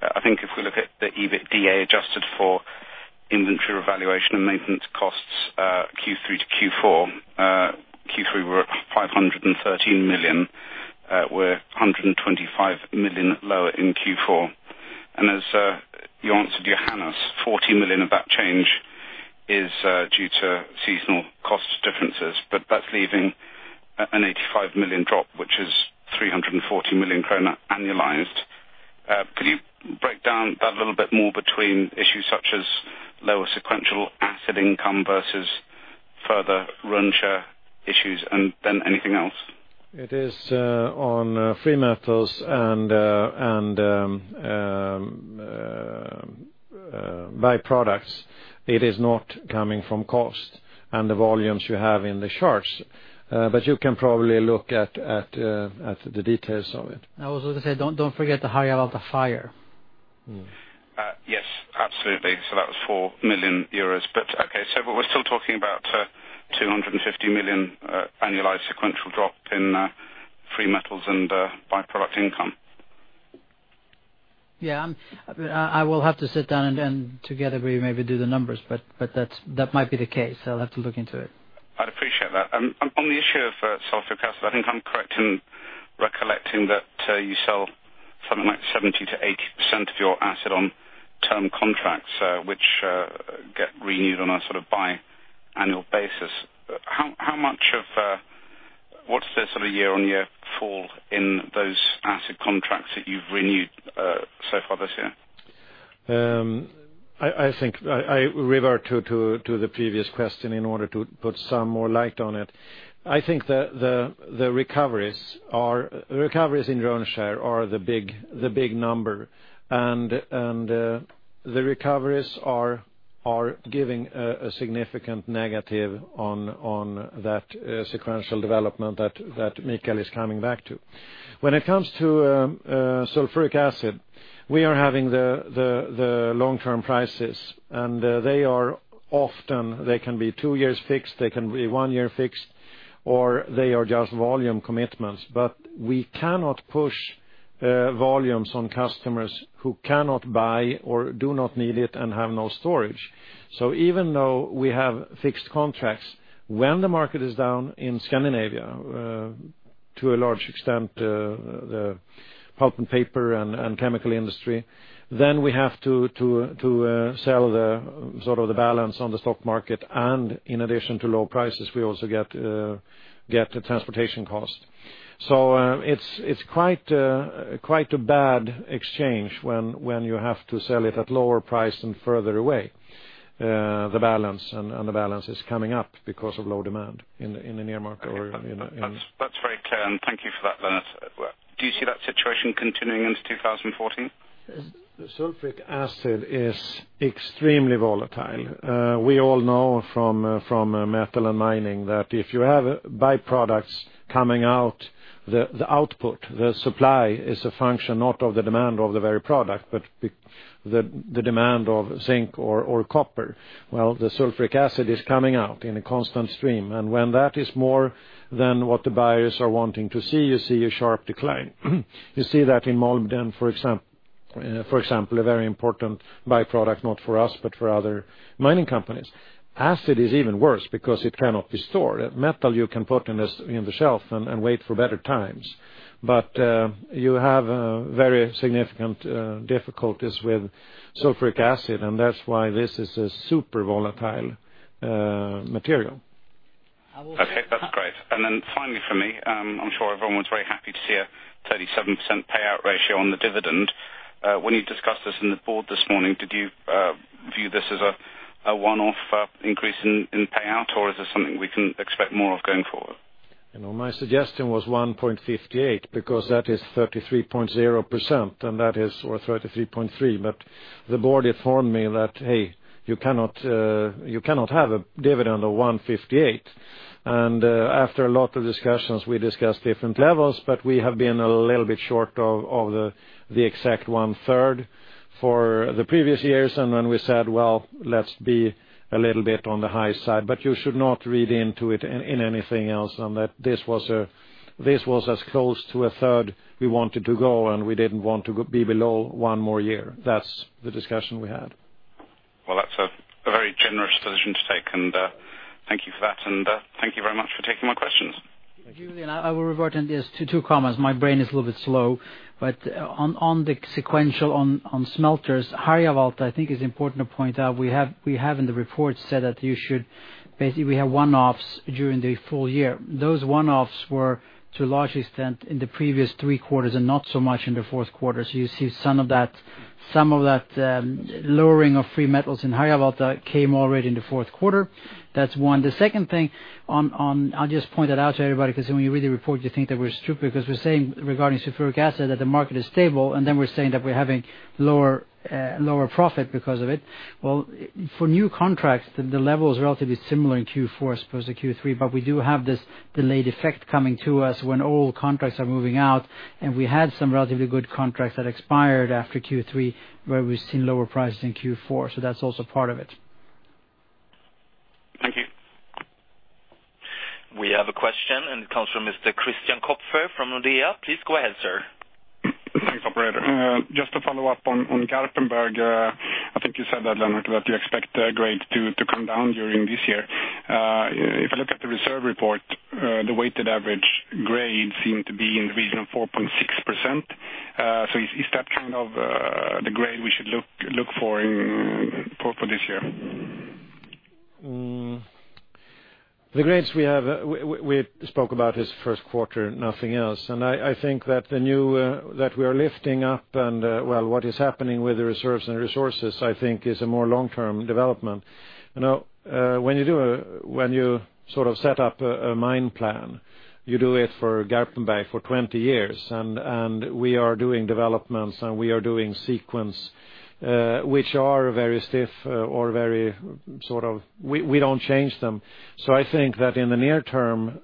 I think if we look at the EBITDA adjusted for inventory revaluation and maintenance costs Q3 to Q4. Q3 we're at 513 million, we're 125 million lower in Q4. As you answered Johannes, 40 million of that change is due to seasonal cost differences. That's leaving an 85 million drop, which is 340 million krona annualized. Could you break down that a little bit more between issues such as lower sequential acid income versus further Rönnskär issues, and then anything else? It is on free metals and byproducts. It is not coming from cost and the volumes you have in the charts. You can probably look at the details of it. I was also going to say, don't forget the high level of the fire. Yes, absolutely. That was 4 million euros. We're still talking about 250 million annualized sequential drop in free metals and byproduct income. Yeah. I will have to sit down and then together we maybe do the numbers, that might be the case, I'll have to look into it. I'd appreciate that. On the issue of sulfuric acid, I think I'm correct in recollecting that you sell something like 70%-80% of your acid on term contracts, which get renewed on a sort of biannual basis. What's the sort of year-on-year fall in those acid contracts that you've renewed so far this year? I think I revert to the previous question in order to put some more light on it. I think the recoveries in Rönnskär are the big number. The recoveries are giving a significant negative on that sequential development that Mikael is coming back to. When it comes to sulfuric acid, we are having the long-term prices. They are often, they can be two years fixed, they can be one year fixed, or they are just volume commitments. We cannot push volumes on customers who cannot buy or do not need it and have no storage. Even though we have fixed contracts, when the market is down in Scandinavia, to a large extent, the pulp and paper and chemical industry, then we have to sell the balance on the stock market. In addition to low prices, we also get the transportation cost. It's quite a bad exchange when you have to sell it at lower price and further away. The balance is coming up because of low demand in the near market or in- That's very clear. Thank you for that, Lennart. Do you see that situation continuing into 2014? The sulfuric acid is extremely volatile. We all know from metal and mining that if you have byproducts coming out, the output, the supply is a function not of the demand of the very product, but the demand of zinc or copper. The sulfuric acid is coming out in a constant stream. When that is more than what the buyers are wanting to see, you see a sharp decline. You see that in molybdenum, for example, a very important byproduct, not for us, but for other mining companies. Acid is even worse because it cannot be stored. Metal, you can put in the shelf and wait for better times. You have very significant difficulties with sulfuric acid, and that's why this is a super volatile material. Okay, that's great. Finally from me, I'm sure everyone was very happy to see a 37% payout ratio on the dividend. When you discussed this in the board this morning, did you view this as a one-off increase in payout, or is this something we can expect more of going forward? My suggestion was 1.58 because that is 33.0%, or 33.3%. The board informed me that, "Hey, you cannot have a dividend of 158." After a lot of discussions, we discussed different levels, but we have been a little bit short of the exact one-third for the previous years, when we said, "Well, let's be a little bit on the high side." You should not read into it in anything else than that this was as close to a third we wanted to go, and we didn't want to be below one more year. That's the discussion we had. Well, that's decision to take, thank you for that. Thank you very much for taking my questions. Julien, I will revert on this. Two comments. My brain is a little bit slow, on the sequential on smelters, Harjavalta, I think it's important to point out, we have in the report said that basically, we have one-offs during the full year. Those one-offs were, to a large extent, in the previous three quarters and not so much in the fourth quarter. You see some of that lowering of free metals in Harjavalta came already in the fourth quarter. That's one. The second thing, I'll just point it out to everybody, because when you read the report, you think that we're stupid, because we're saying regarding sulfuric acid that the market is stable, we're saying that we're having lower profit because of it. Well, for new contracts, the level is relatively similar in Q4 as opposed to Q3, we do have this delayed effect coming to us when old contracts are moving out, we had some relatively good contracts that expired after Q3, where we've seen lower prices in Q4. That's also part of it. Thank you. We have a question, it comes from Mr. Christian Kopfer from Nordea. Please go ahead, sir. Thanks, operator. Just to follow up on Garpenberg. I think you said that, Lennart, that you expect the grade to come down during this year. If you look at the reserve report, the weighted average grade seemed to be in the region of 4.6%. Is that kind of the grade we should look for this year? The grades we have, we spoke about is first quarter, nothing else. I think that we are lifting up and what is happening with the reserves and resources, I think is a more long-term development. When you set up a mine plan, you do it for Garpenberg for 20 years, we are doing developments, we are doing sequence, which are very stiff or we don't change them. I think that in the near term,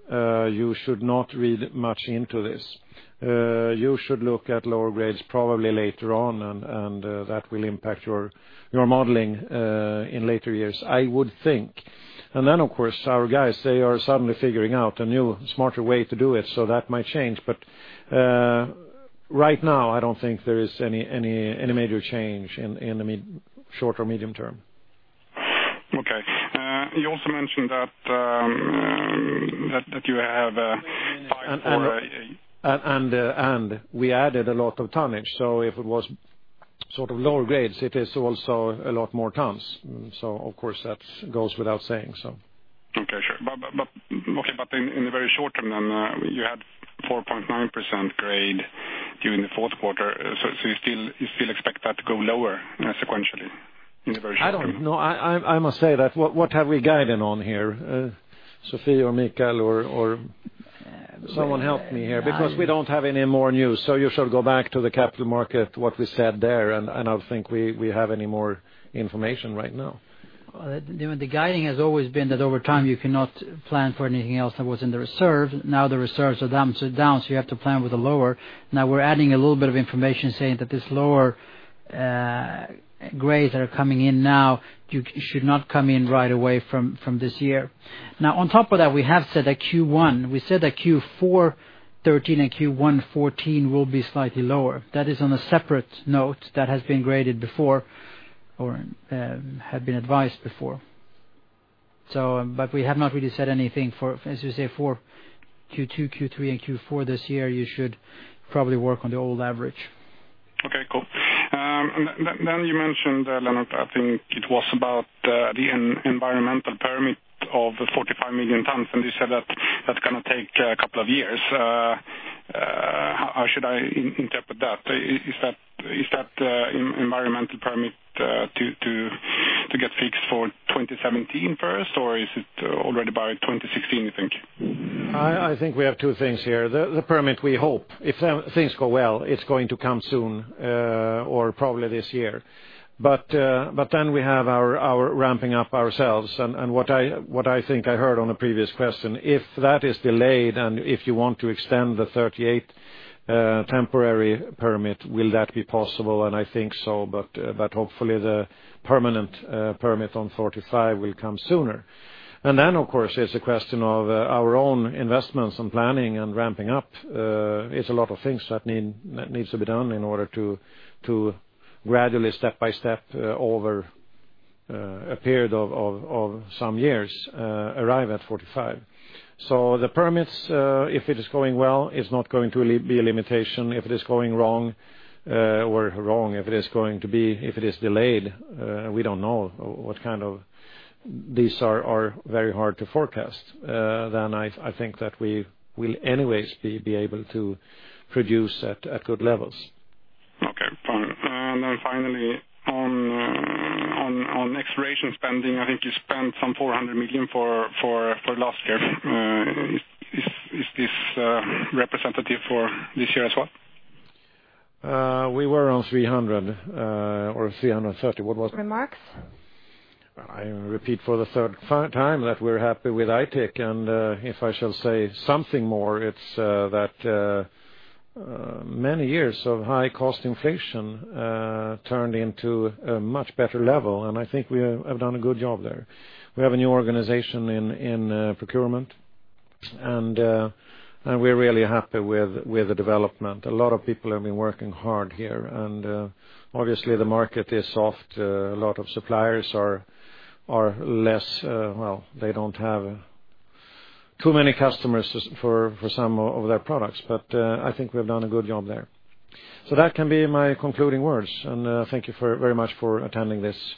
you should not read much into this. You should look at lower grades probably later on, and that will impact your modeling in later years, I would think. Then, of course, our guys, they are suddenly figuring out a new, smarter way to do it, that might change. Right now, I don't think there is any major change in the short or medium term. Okay. You also mentioned that you have a for a- We added a lot of tonnage, if it was lower grades, it is also a lot more tons. Of course, that goes without saying. Okay, sure. In the very short term, then, you had 4.9% grade during the fourth quarter. You still expect that to go lower sequentially in the very short term? I don't know. I must say that what have we guided on here? Sophie Arnius or Mikael or someone help me here, because we don't have any more news, you should go back to the capital market, what we said there. I don't think we have any more information right now. The guiding has always been that over time, you cannot plan for anything else that was in the reserve. The reserves are down, so you have to plan with the lower. We're adding a little bit of information saying that this lower grades that are coming in now should not come in right away from this year. On top of that, we have said that Q1, we said that Q4 2013 and Q1 2014 will be slightly lower. That is on a separate note that has been graded before, or had been advised before. We have not really said anything for, as you say, for Q2, Q3, and Q4 this year, you should probably work on the old average. Okay, cool. You mentioned, Lennart Evrell, I think it was about the environmental permit of the 45 million tons, you said that that's going to take a couple of years. How should I interpret that? Is that environmental permit to get fixed for 2017 first, or is it already by 2016, you think? I think we have two things here. The permit, we hope, if things go well, it's going to come soon, or probably this year. We have our ramping up ourselves, what I think I heard on a previous question, if that is delayed and if you want to extend the 38 temporary permit, will that be possible? I think so, hopefully the permanent permit on 45 will come sooner. Of course, it's a question of our own investments and planning and ramping up. It's a lot of things that needs to be done in order to gradually, step by step, over a period of some years, arrive at 45. The permits, if it is going well, is not going to be a limitation. If it is going wrong, if it is delayed, we don't know what kind of. These are very hard to forecast. I think that we will anyway be able to produce at good levels. Okay, fine. Finally, on exploration spending, I think you spent some 400 million for last year. Is this representative for this year as well? We were around 300 or 330. Remarks? I repeat for the third time that we're happy with Aitik. If I shall say something more, it's that many years of high cost inflation turned into a much better level. I think we have done a good job there. We have a new organization in procurement. We're really happy with the development. A lot of people have been working hard here. Obviously the market is soft. A lot of suppliers, well, they don't have too many customers for some of their products. I think we've done a good job there. That can be my concluding words. Thank you very much for attending this call.